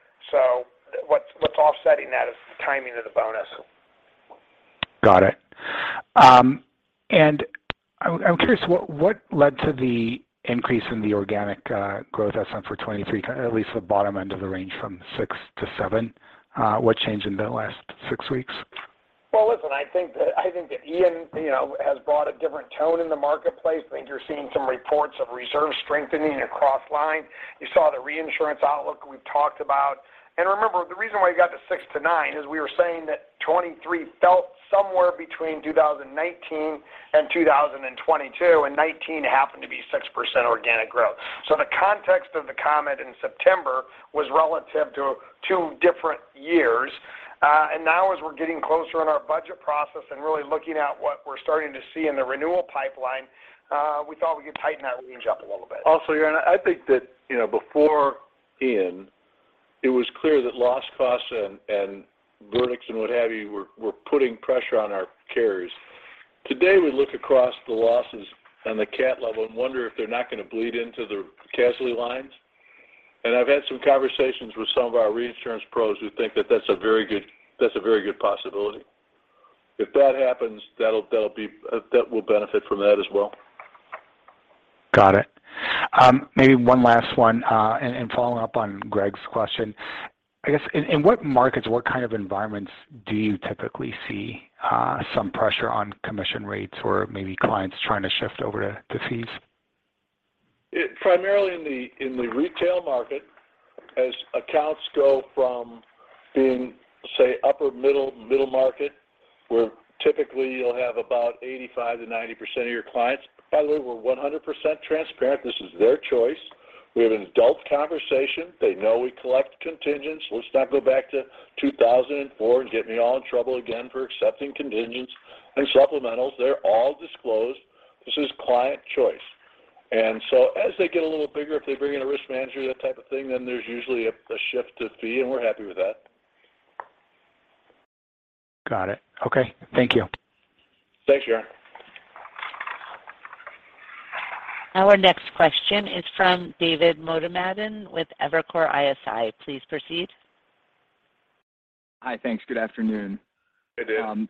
What's offsetting that is the timing of the bonus. Got it. I'm curious, what led to the increase in the organic growth estimate for 2023, at least the bottom end of the range from 6% to 7%? What changed in the last six weeks? Well, listen, I think that Ian, you know, has brought a different tone in the marketplace. I think you're seeing some reports of reserve strengthening across lines. You saw the reinsurance outlook we've talked about. Remember, the reason why you got to 6%-9% is we were saying that 2023 felt somewhere between 2019 and 2022, and 2019 happened to be 6% organic growth. The context of the comment in September was relative to two different years. Now, as we're getting closer in our budget process and really looking at what we're starting to see in the renewal pipeline, we thought we could tighten that range up a little bit. Also, Yaron, I think that, you know, before Ian, it was clear that loss costs and verdicts and what have you were putting pressure on our carriers. Today, we look across the losses on the cat level and wonder if they're not going to bleed into the casualty lines. I've had some conversations with some of our reinsurance pros who think that that's a very good possibility. If that happens, that'll be—we’ll benefit from that as well. Got it. Maybe one last one, and following up on Greg's question. I guess in what markets, what kind of environments do you typically see some pressure on commission rates or maybe clients trying to shift over to fees? It primarily in the retail market as accounts go from, say, upper middle market, where typically you'll have about 85%-90% of your clients. By the way, we're 100% transparent. This is their choice. We have an adult conversation. They know we collect contingents. Let's not go back to 2004 and get me all in trouble again for accepting contingents and supplementals. They're all disclosed. This is client choice. As they get a little bigger, if they bring in a risk manager, that type of thing, then there's usually a shift to fee, and we're happy with that. Got it. Okay. Thank you. Thanks, Yaron. Our next question is from David Motemaden with Evercore ISI. Please proceed. Hi. Thanks. Good afternoon. Hey, David.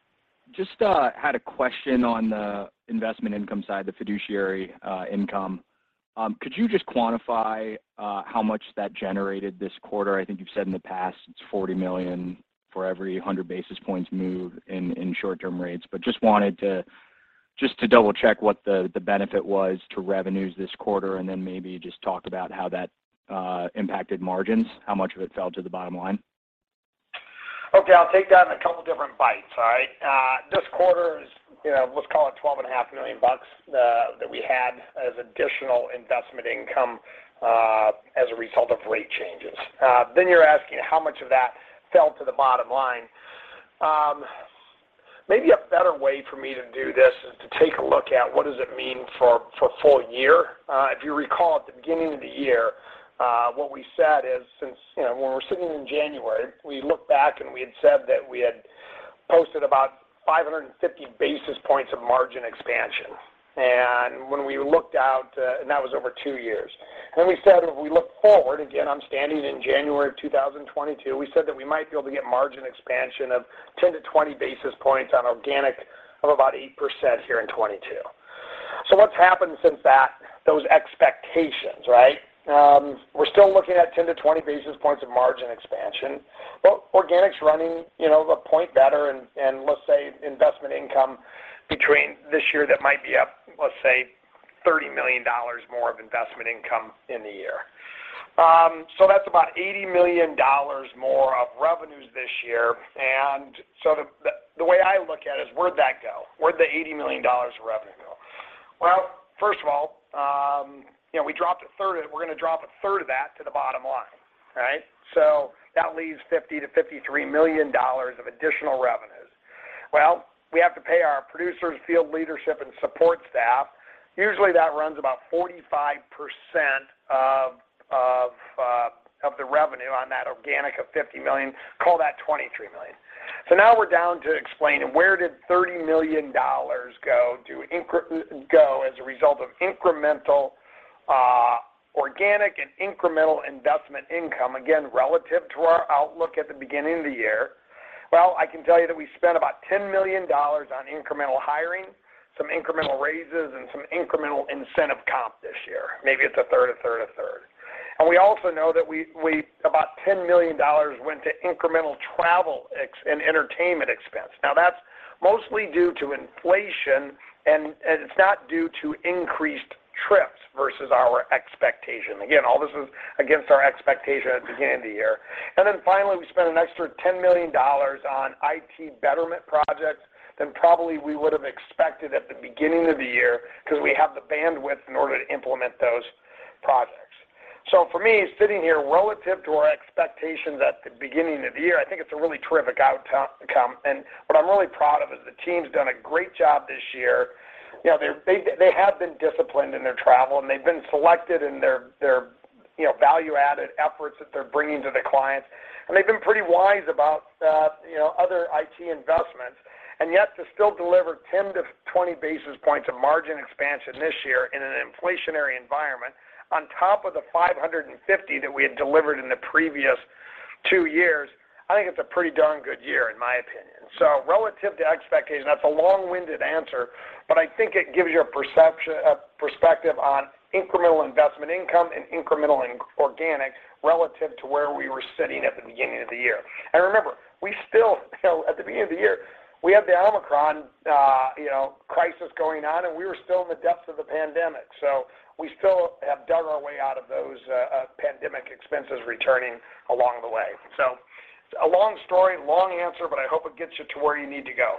Just had a question on the investment income side, the fiduciary income. Could you just quantify how much that generated this quarter? I think you've said in the past it's $40 million for every 100 basis points move in short-term rates. Just wanted to double-check what the benefit was to revenues this quarter, and then maybe just talk about how that impacted margins, how much of it fell to the bottom line? Okay. I'll take that in a couple different bites. All right? This quarter is, you know, let's call it $12.5 million that we had as additional investment income as a result of rate changes. Then you're asking how much of that fell to the bottom line. Maybe a better way for me to do this is to take a look at what does it mean for full year. If you recall at the beginning of the year, what we said is since, you know, when we're sitting in January, we looked back, and we had said that we had posted about 550 basis points of margin expansion. When we looked out, that was over two years. We said, if we look forward, again, I'm standing in January 2022, we said that we might be able to get margin expansion of 10–20 basis points on organic of about 8% here in 2022. What's happened since that, those expectations, right? We're still looking at 10–20 basis points of margin expansion. But organic's running, you know, a point better and let's say investment income between this year that might be up, let's say $30 million more of investment income in the year. So that's about $80 million more of revenues this year. The way I look at it is where'd that go? Where'd the $80 million of revenue go? Well, first of all, you know, we're gonna drop a third of that to the bottom line, right. So that leaves $50 million-$53 million of additional revenues. Well, we have to pay our producers, field leadership, and support staff. Usually, that runs about 45% of the revenue on that organic of $50 million. Call that $23 million. Now we're down to explaining where did $30 million go as a result of incremental organic and incremental investment income, again, relative to our outlook at the beginning of the year. Well, I can tell you that we spent about $10 million on incremental hiring, some incremental raises, and some incremental incentive comp this year. Maybe it's a third, a third, a third. We also know that about $10 million went to incremental travel expenses and entertainment expense. Now that's mostly due to inflation and it's not due to increased trips versus our expectation. Again, all this is against our expectation at the beginning of the year. Finally, we spent an extra $10 million on IT betterment projects than probably we would have expected at the beginning of the year because we have the bandwidth in order to implement those projects. For me, sitting here relative to our expectations at the beginning of the year, I think it's a really terrific outcome. What I'm really proud of is the team's done a great job this year. You know, they have been disciplined in their travel, and they've been selective in their you know, value-added efforts that they're bringing to the clients. They've been pretty wise about, you know, other IT investments. Yet to still deliver 10–20 basis points of margin expansion this year in an inflationary environment on top of the 550 that we had delivered in the previous Two years. I think it's a pretty darn good year in my opinion. Relative to expectations, that's a long-winded answer, but I think it gives you a perspective on incremental investment income and incremental inorganic relative to where we were sitting at the beginning of the year. Remember, we still, you know, at the beginning of the year, we had the Omicron, you know, crisis going on, and we were still in the depths of the pandemic. We still have dug our way out of those pandemic expenses returning along the way. A long story, long answer, but I hope it gets you to where you need to go.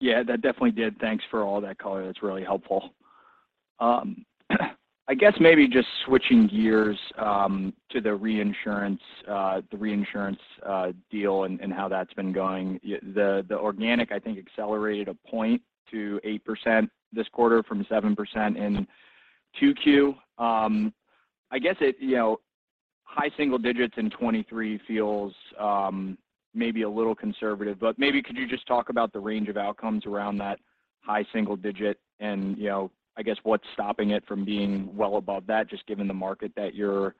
Yeah, that definitely did. Thanks for all that color. That's really helpful. I guess maybe just switching gears to the reinsurance deal and how that's been going. The organic, I think accelerated a point to 8% this quarter from 7% in 2Q. I guess it, you know, high single digits in 2023 feels maybe a little conservative, but maybe could you just talk about the range of outcomes around that high single digit and, you know, I guess what's stopping it from being well above that, just given the market that you're.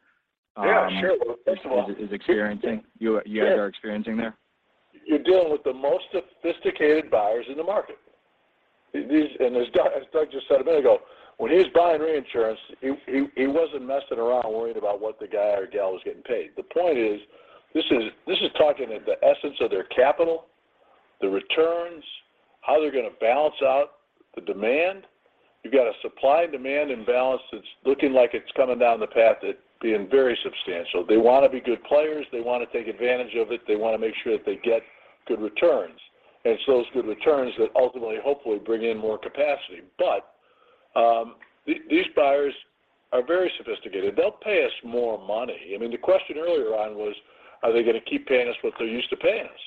Yeah, sure. Well, first of all. is experiencing. You guys are experiencing there. You're dealing with the most sophisticated buyers in the market. As Doug just said a minute ago, when he was buying reinsurance, he wasn't messing around worrying about what the guy or gal was getting paid. The point is, this is talking at the essence of their capital, the returns, how they're going to balance out the demand. You've got a supply and demand imbalance that's looking like it's coming down the path at being very substantial. They want to be good players. They want to take advantage of it. They want to make sure that they get good returns. It's those good returns that ultimately, hopefully bring in more capacity. These buyers are very sophisticated. They'll pay us more money. I mean, the question earlier on was, are they going to keep paying us what they're used to paying us?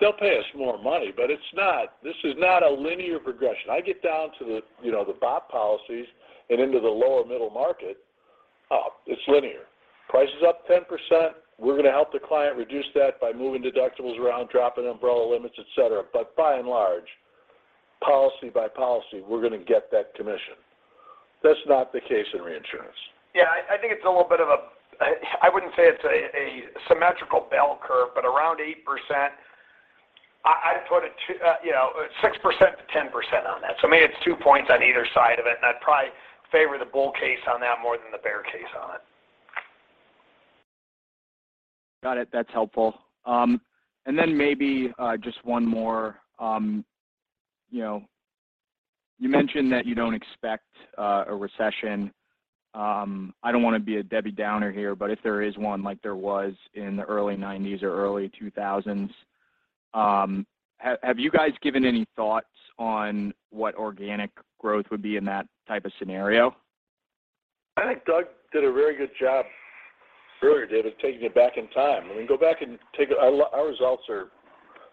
They'll pay us more money, but it's not a linear progression. I get down to the, you know, the BOP policies and into the lower middle market, it's linear. Price is up 10%. We're going to help the client reduce that by moving deductibles around, dropping umbrella limits, et cetera. But by and large, policy by policy, we're going to get that commission. That's not the case in reinsurance. Yeah. I think it's a little bit of a. I wouldn't say it's a symmetrical bell curve, but around 8%, I'd put it, you know, 6%-10% on that. Maybe it's two points on either side of it, and I'd probably favor the bull case on that more than the bear case on it. Got it. That's helpful. Maybe just one more. You know, you mentioned that you don't expect a recession. I don't want to be a Debbie Downer here, but if there is one like there was in the early 1990s or early 2000s, have you guys given any thoughts on what organic growth would be in that type of scenario? I think Doug did a very good job earlier, David, taking it back in time. I mean, our results are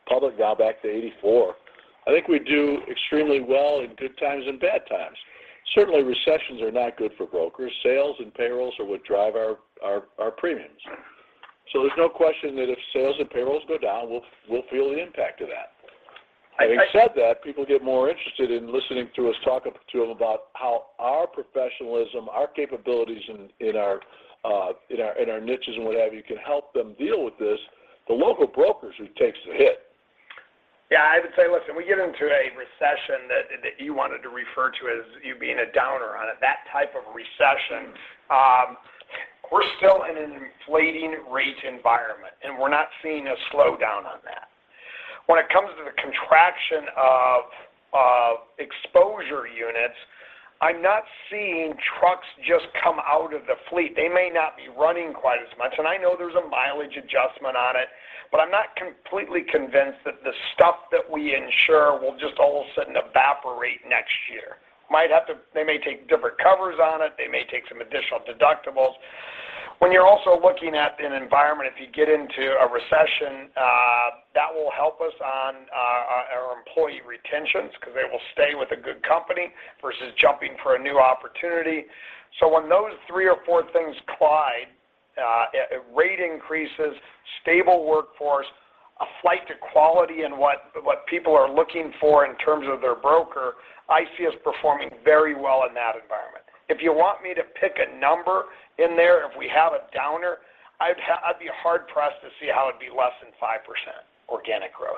public now back to 1984. I think we do extremely well in good times and bad times. Certainly, recessions are not good for brokers. Sales and payrolls are what drive our premiums. So there's no question that if sales and payrolls go down, we'll feel the impact of that. Having said that, people get more interested in listening to us talk to them about how our professionalism, our capabilities in our niches and what have you can help them deal with this. The local broker is who takes the hit. Yeah. I would say, listen, we get into a recession that you wanted to refer to as you being a downer on it, that type of recession. We're still in an inflating rate environment, and we're not seeing a slowdown on that. When it comes to the contraction of exposure units, I'm not seeing trucks just come out of the fleet. They may not be running quite as much, and I know there's a mileage adjustment on it, but I'm not completely convinced that the stuff that we insure will just all of a sudden evaporate next year. They may take different covers on it. They may take some additional deductibles. When you're also looking at an environment, if you get into a recession, that will help us on our employee retentions because they will stay with a good company versus jumping for a new opportunity. When those three or four things collide, rate increases, stable workforce, a flight to quality in what people are looking for in terms of their broker, I see us performing very well in that environment. If you want me to pick a number in there, if we have a downturn, I'd be hard pressed to see how it'd be less than 5% organic growth.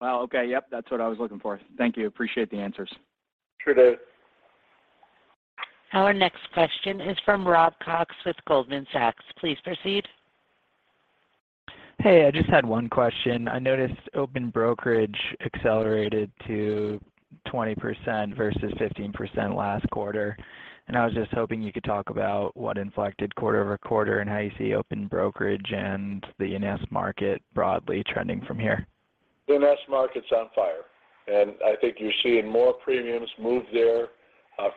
Well, okay. Yep, that's what I was looking for. Thank you. Appreciate the answers. Sure, Dave. Our next question is from Rob Cox with Goldman Sachs. Please proceed. Hey, I just had one question. I noticed open brokerage accelerated to 20% versus 15% last quarter. I was just hoping you could talk about what inflected quarter-over-quarter and how you see open brokerage and the E&S market broadly trending from here. The E&S market's on fire, and I think you're seeing more premiums move there,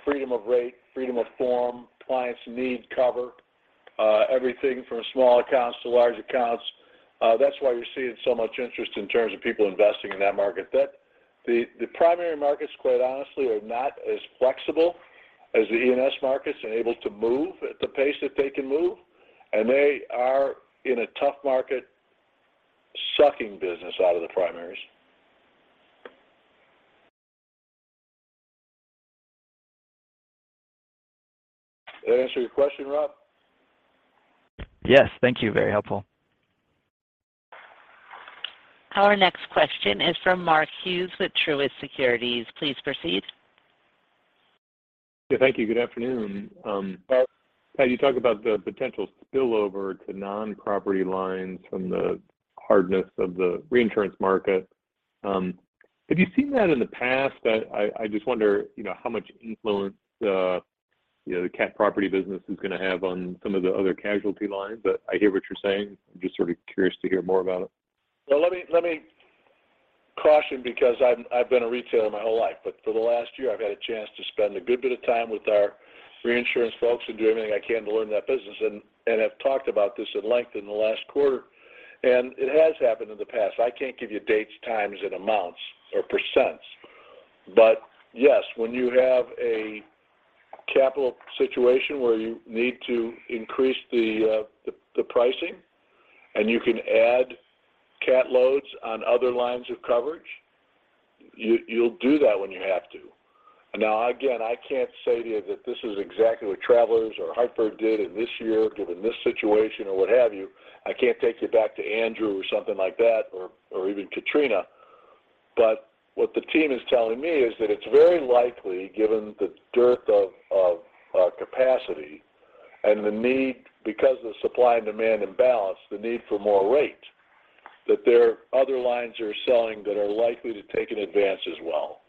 freedom of rate, freedom of form, clients need cover, everything from small accounts to large accounts. That's why you're seeing so much interest in terms of people investing in that market. The primary markets, quite honestly, are not as flexible as the E&S markets and able to move at the pace that they can move, and they are in a tough market sucking business out of the primaries. Did that answer your question, Rob? Yes. Thank you. Very helpful. Our next question is from Mark Hughes with Truist Securities. Please proceed. Yeah, thank you. Good afternoon. Pat, you talk about the potential spillover to non-property lines from the hardness of the reinsurance market. Have you seen that in the past? I just wonder, you know, how much influence the, you know, the cat property business is going to have on some of the other casualty lines. But I hear what you're saying. I'm just sort of curious to hear more about it. Well, let me caution because I've been a retailer my whole life, but for the last year, I've had a chance to spend a good bit of time with our reinsurance folks and do everything I can to learn that business and have talked about this at length in the last quarter. It has happened in the past. I can't give you dates, times, and amounts or percents. Yes, when you have a capital situation where you need to increase the pricing, and you can add cat loads on other lines of coverage, you'll do that when you have to. Now, again, I can't say to you that this is exactly what Travelers or Hartford did in this year, given this situation or what have you. I can't take you back to Andrew or something like that or even Katrina. What the team is telling me is that it's very likely, given the dearth of capacity and the need because of supply and demand imbalance, the need for more rate, that there are other lines you're selling that are likely to take an advance as well.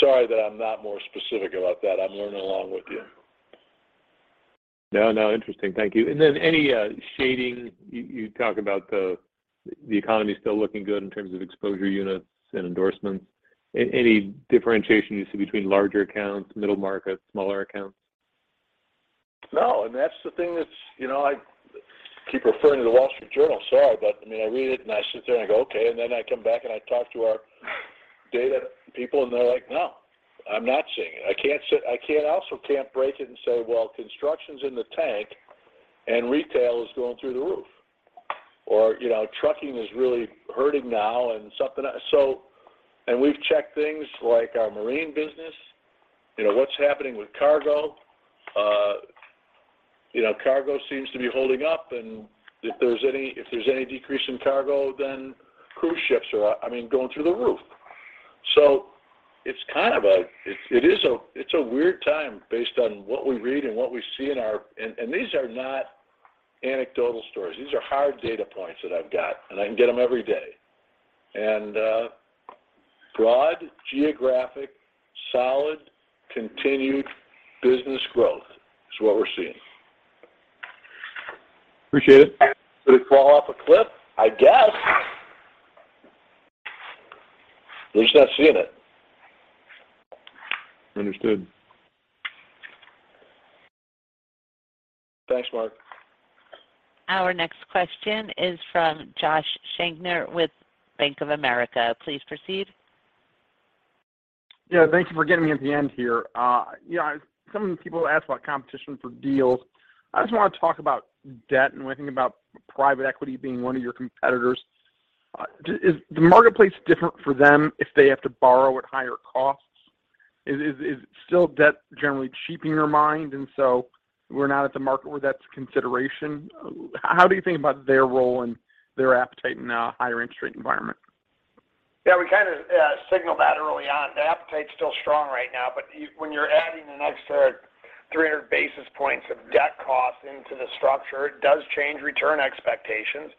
Sorry that I'm not more specific about that. I'm learning along with you. No, no. Interesting. Thank you. Any shading you talk about the economy is still looking good in terms of exposure units and endorsements. Any differentiation you see between larger accounts, middle market, smaller accounts? No, that's the thing that's, you know, I keep referring to The Wall Street Journal. Sorry, but I mean, I read it, and I sit there, and I go, okay. Then I come back, and I talk to our data people, and they're like, "No, I'm not seeing it." I can't also break it and say, well, construction's in the tank and retail is going through the roof, or, you know, trucking is really hurting now and something. We've checked things like our marine business, you know, what's happening with cargo. You know, cargo seems to be holding up. If there's any decrease in cargo, then cruise ships are, I mean, going through the roof. It's a weird time based on what we read and what we see in our, these are not anecdotal stories. These are hard data points that I've got, and I can get them every day. Broad geographic, solid, continued business growth is what we're seeing. Appreciate it. Could it fall off a cliff? I guess. At least not seeing it. Understood. Thanks, Mark. Our next question is from Josh Shanker with Bank of America. Please proceed. Yeah, thank you for getting me at the end here. You know, some of the people ask about competition for deals. I just want to talk about debt and when I think about private equity being one of your competitors. Is the marketplace different for them if they have to borrow at higher costs? Is still debt generally cheap in your mind, and so we're not at the market where that's a consideration? How do you think about their role and their appetite in a higher interest rate environment? Yeah, we kind of signaled that early on. The appetite's still strong right now, but when you're adding an extra 300 basis points of debt cost into the structure, it does change return expectations.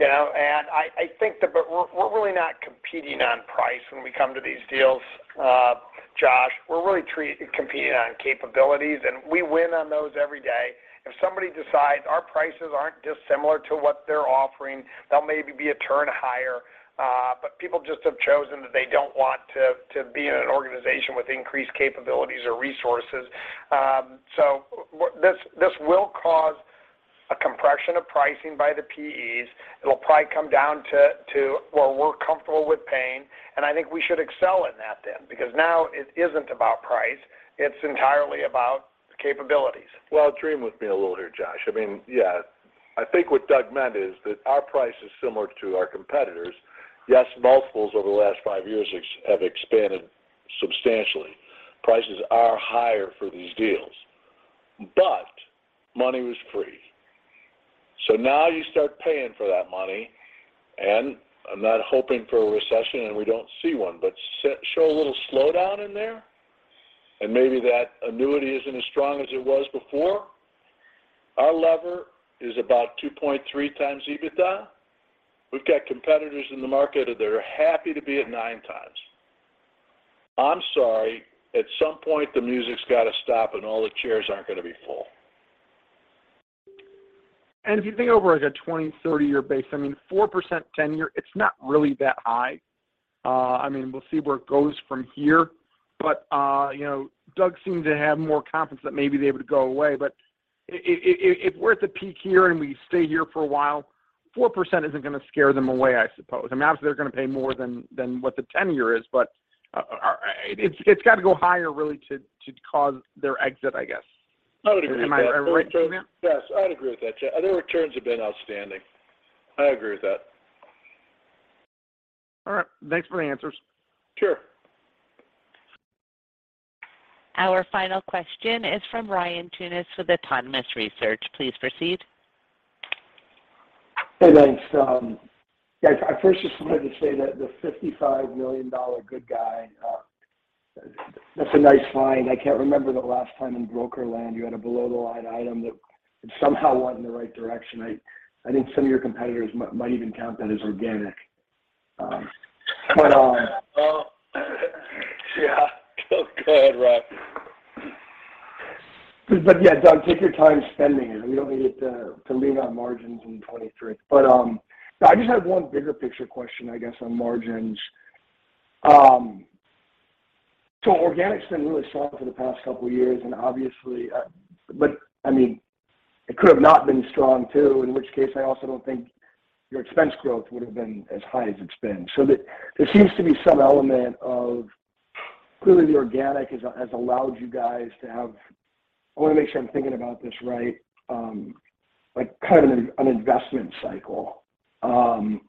I think that we're really not competing on price when we come to these deals, Josh. We're really competing on capabilities, and we win on those every day. If somebody decides our prices aren't dissimilar to what they're offering, they'll maybe be a turn higher, but people just have chosen that they don't want to be in an organization with increased capabilities or resources. This will cause a compression of pricing by the PEs. It'll probably come down to, well, we're comfortable with paying, and I think we should excel in that then because now it isn't about price, it's entirely about capabilities. Well, dream with me a little here, Josh. I mean, yeah, I think what Doug meant is that our price is similar to our competitors. Yes, multiples over the last five years have expanded substantially. Prices are higher for these deals. Money was free. Now you start paying for that money, and I'm not hoping for a recession, and we don't see one, but show a little slowdown in there, and maybe that annuity isn't as strong as it was before. Our lever is about 2.3x EBITDA. We've got competitors in the market that are happy to be at 9x. I'm sorry. At some point, the music's got to stop, and all the chairs aren't going to be full. If you think over like a 20, 30-year base, I mean, 4% 10-year, it's not really that high. I mean, we'll see where it goes from here. You know, Doug seemed to have more confidence that, maybe they would go away. If we're at the peak here and we stay here for a while, 4% isn't going to scare them away, I suppose. I mean, obviously, they're going to pay more than what the 10-year is, but it's got to go higher, really, to cause their exit, I guess. I would agree with that. Am I right, Doug? Yes, I would agree with that. Their returns have been outstanding. I agree with that. All right. Thanks for the answers. Sure. Our final question is from Ryan Tunis with Autonomous Research. Please proceed. Hey, thanks. Yeah, I first just wanted to say that the $55 million goodwill, that's a nice find. I can't remember the last time in broker land you had a below-the-line item that somehow went in the right direction. I think some of your competitors might even count that as organic. Oh, yeah. Go ahead, Ryan. Yeah, Doug, take your time spending it. We don't need it to lean on margins in 2023. I just have one bigger picture question, I guess, on margins. Organic's been really strong for the past couple years and obviously. I mean, it could have not been strong too, in which case I also don't think your expense growth would have been as high as it's been. There seems to be some element of clearly the organic has allowed you guys to have, I wanna make sure I'm thinking about this right, like kind of an investment cycle. I'm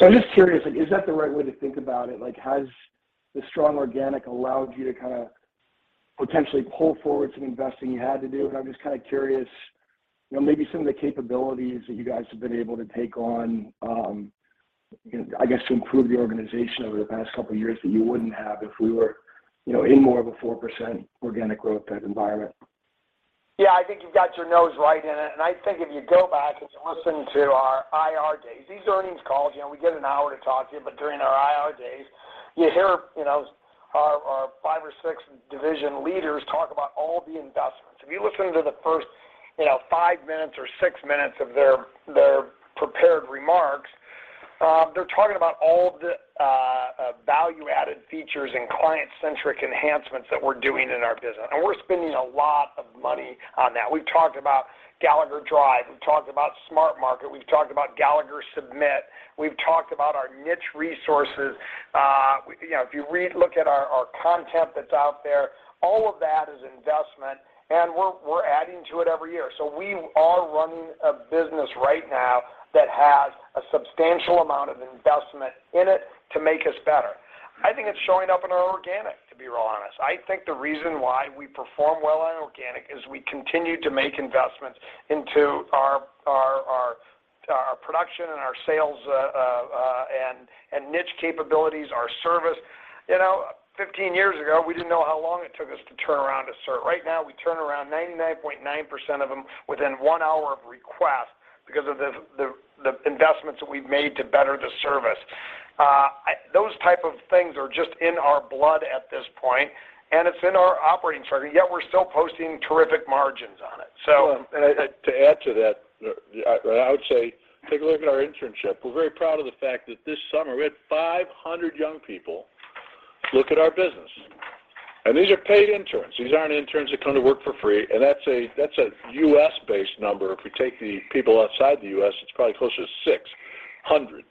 just curious, like is that the right way to think about it? Like, has the strong organic allowed you to kinda potentially pull forward some investing you had to do? I'm just kinda curious, you know, maybe some of the capabilities that you guys have been able to take on, you know, I guess, to improve the organization over the past couple of years that you wouldn't have if we were, you know, in more of a 4% organic growth type environment. Yeah. I think you've got your nose right in it. I think if you go back and listen to our IR days, these earnings calls, you know, we get an hour to talk to you, but during our IR days, you hear, you know, our five or six division leaders talk about all the investments. If you listen to the first, you know, five minutes or six minutes of their prepared remarks, they're talking about all the value-added features and client-centric enhancements that we're doing in our business, and we're spending a lot of money on that. We've talked about Gallagher Drive. We've talked about SmartMarket. We've talked about Gallagher Submit. We've talked about our niche resources. You know, if you look at our content that's out there, all of that is investment, and we're adding to it every year. We are running a business right now that has a substantial amount of investment in it to make us better. I think it's showing up in our organic, to be real honest. I think the reason why we perform well on organic is we continue to make investments into our production and our sales, and niche capabilities, our service. You know, 15 years ago, we didn't know how long it took us to turn around a cert. Right now, we turn around 99.9% of them within one hour of request because of the investments that we've made to better the service. Those type of things are just in our blood at this point, and it's in our operating target, yet we're still posting terrific margins on it. To add to that, I would say take a look at our internship. We're very proud of the fact that this summer we had 500 young people look at our business. These are paid interns. These aren't interns that come to work for free, and that's a U.S.-based number. If we take the people outside the U.S., it's probably closer to 600.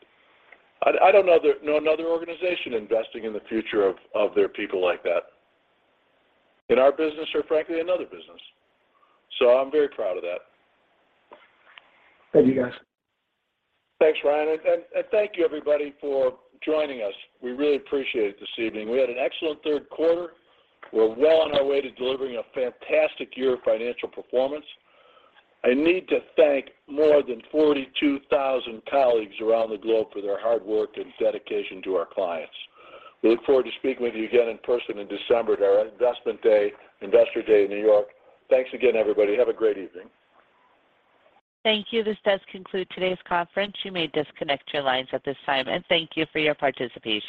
I don't know another organization investing in the future of their people like that in our business or frankly, another business. I'm very proud of that. Thank you, guys. Thanks, Ryan. Thank you everybody for joining us. We really appreciate it this evening. We had an excellent third quarter. We're well on our way to delivering a fantastic year of financial performance. I need to thank more than 42,000 colleagues around the globe for their hard work and dedication to our clients. We look forward to speaking with you again in person in December at our Investor Day in New York. Thanks again, everybody. Have a great evening. Thank you. This does conclude today's conference. You may disconnect your lines at this time, and thank you for your participation.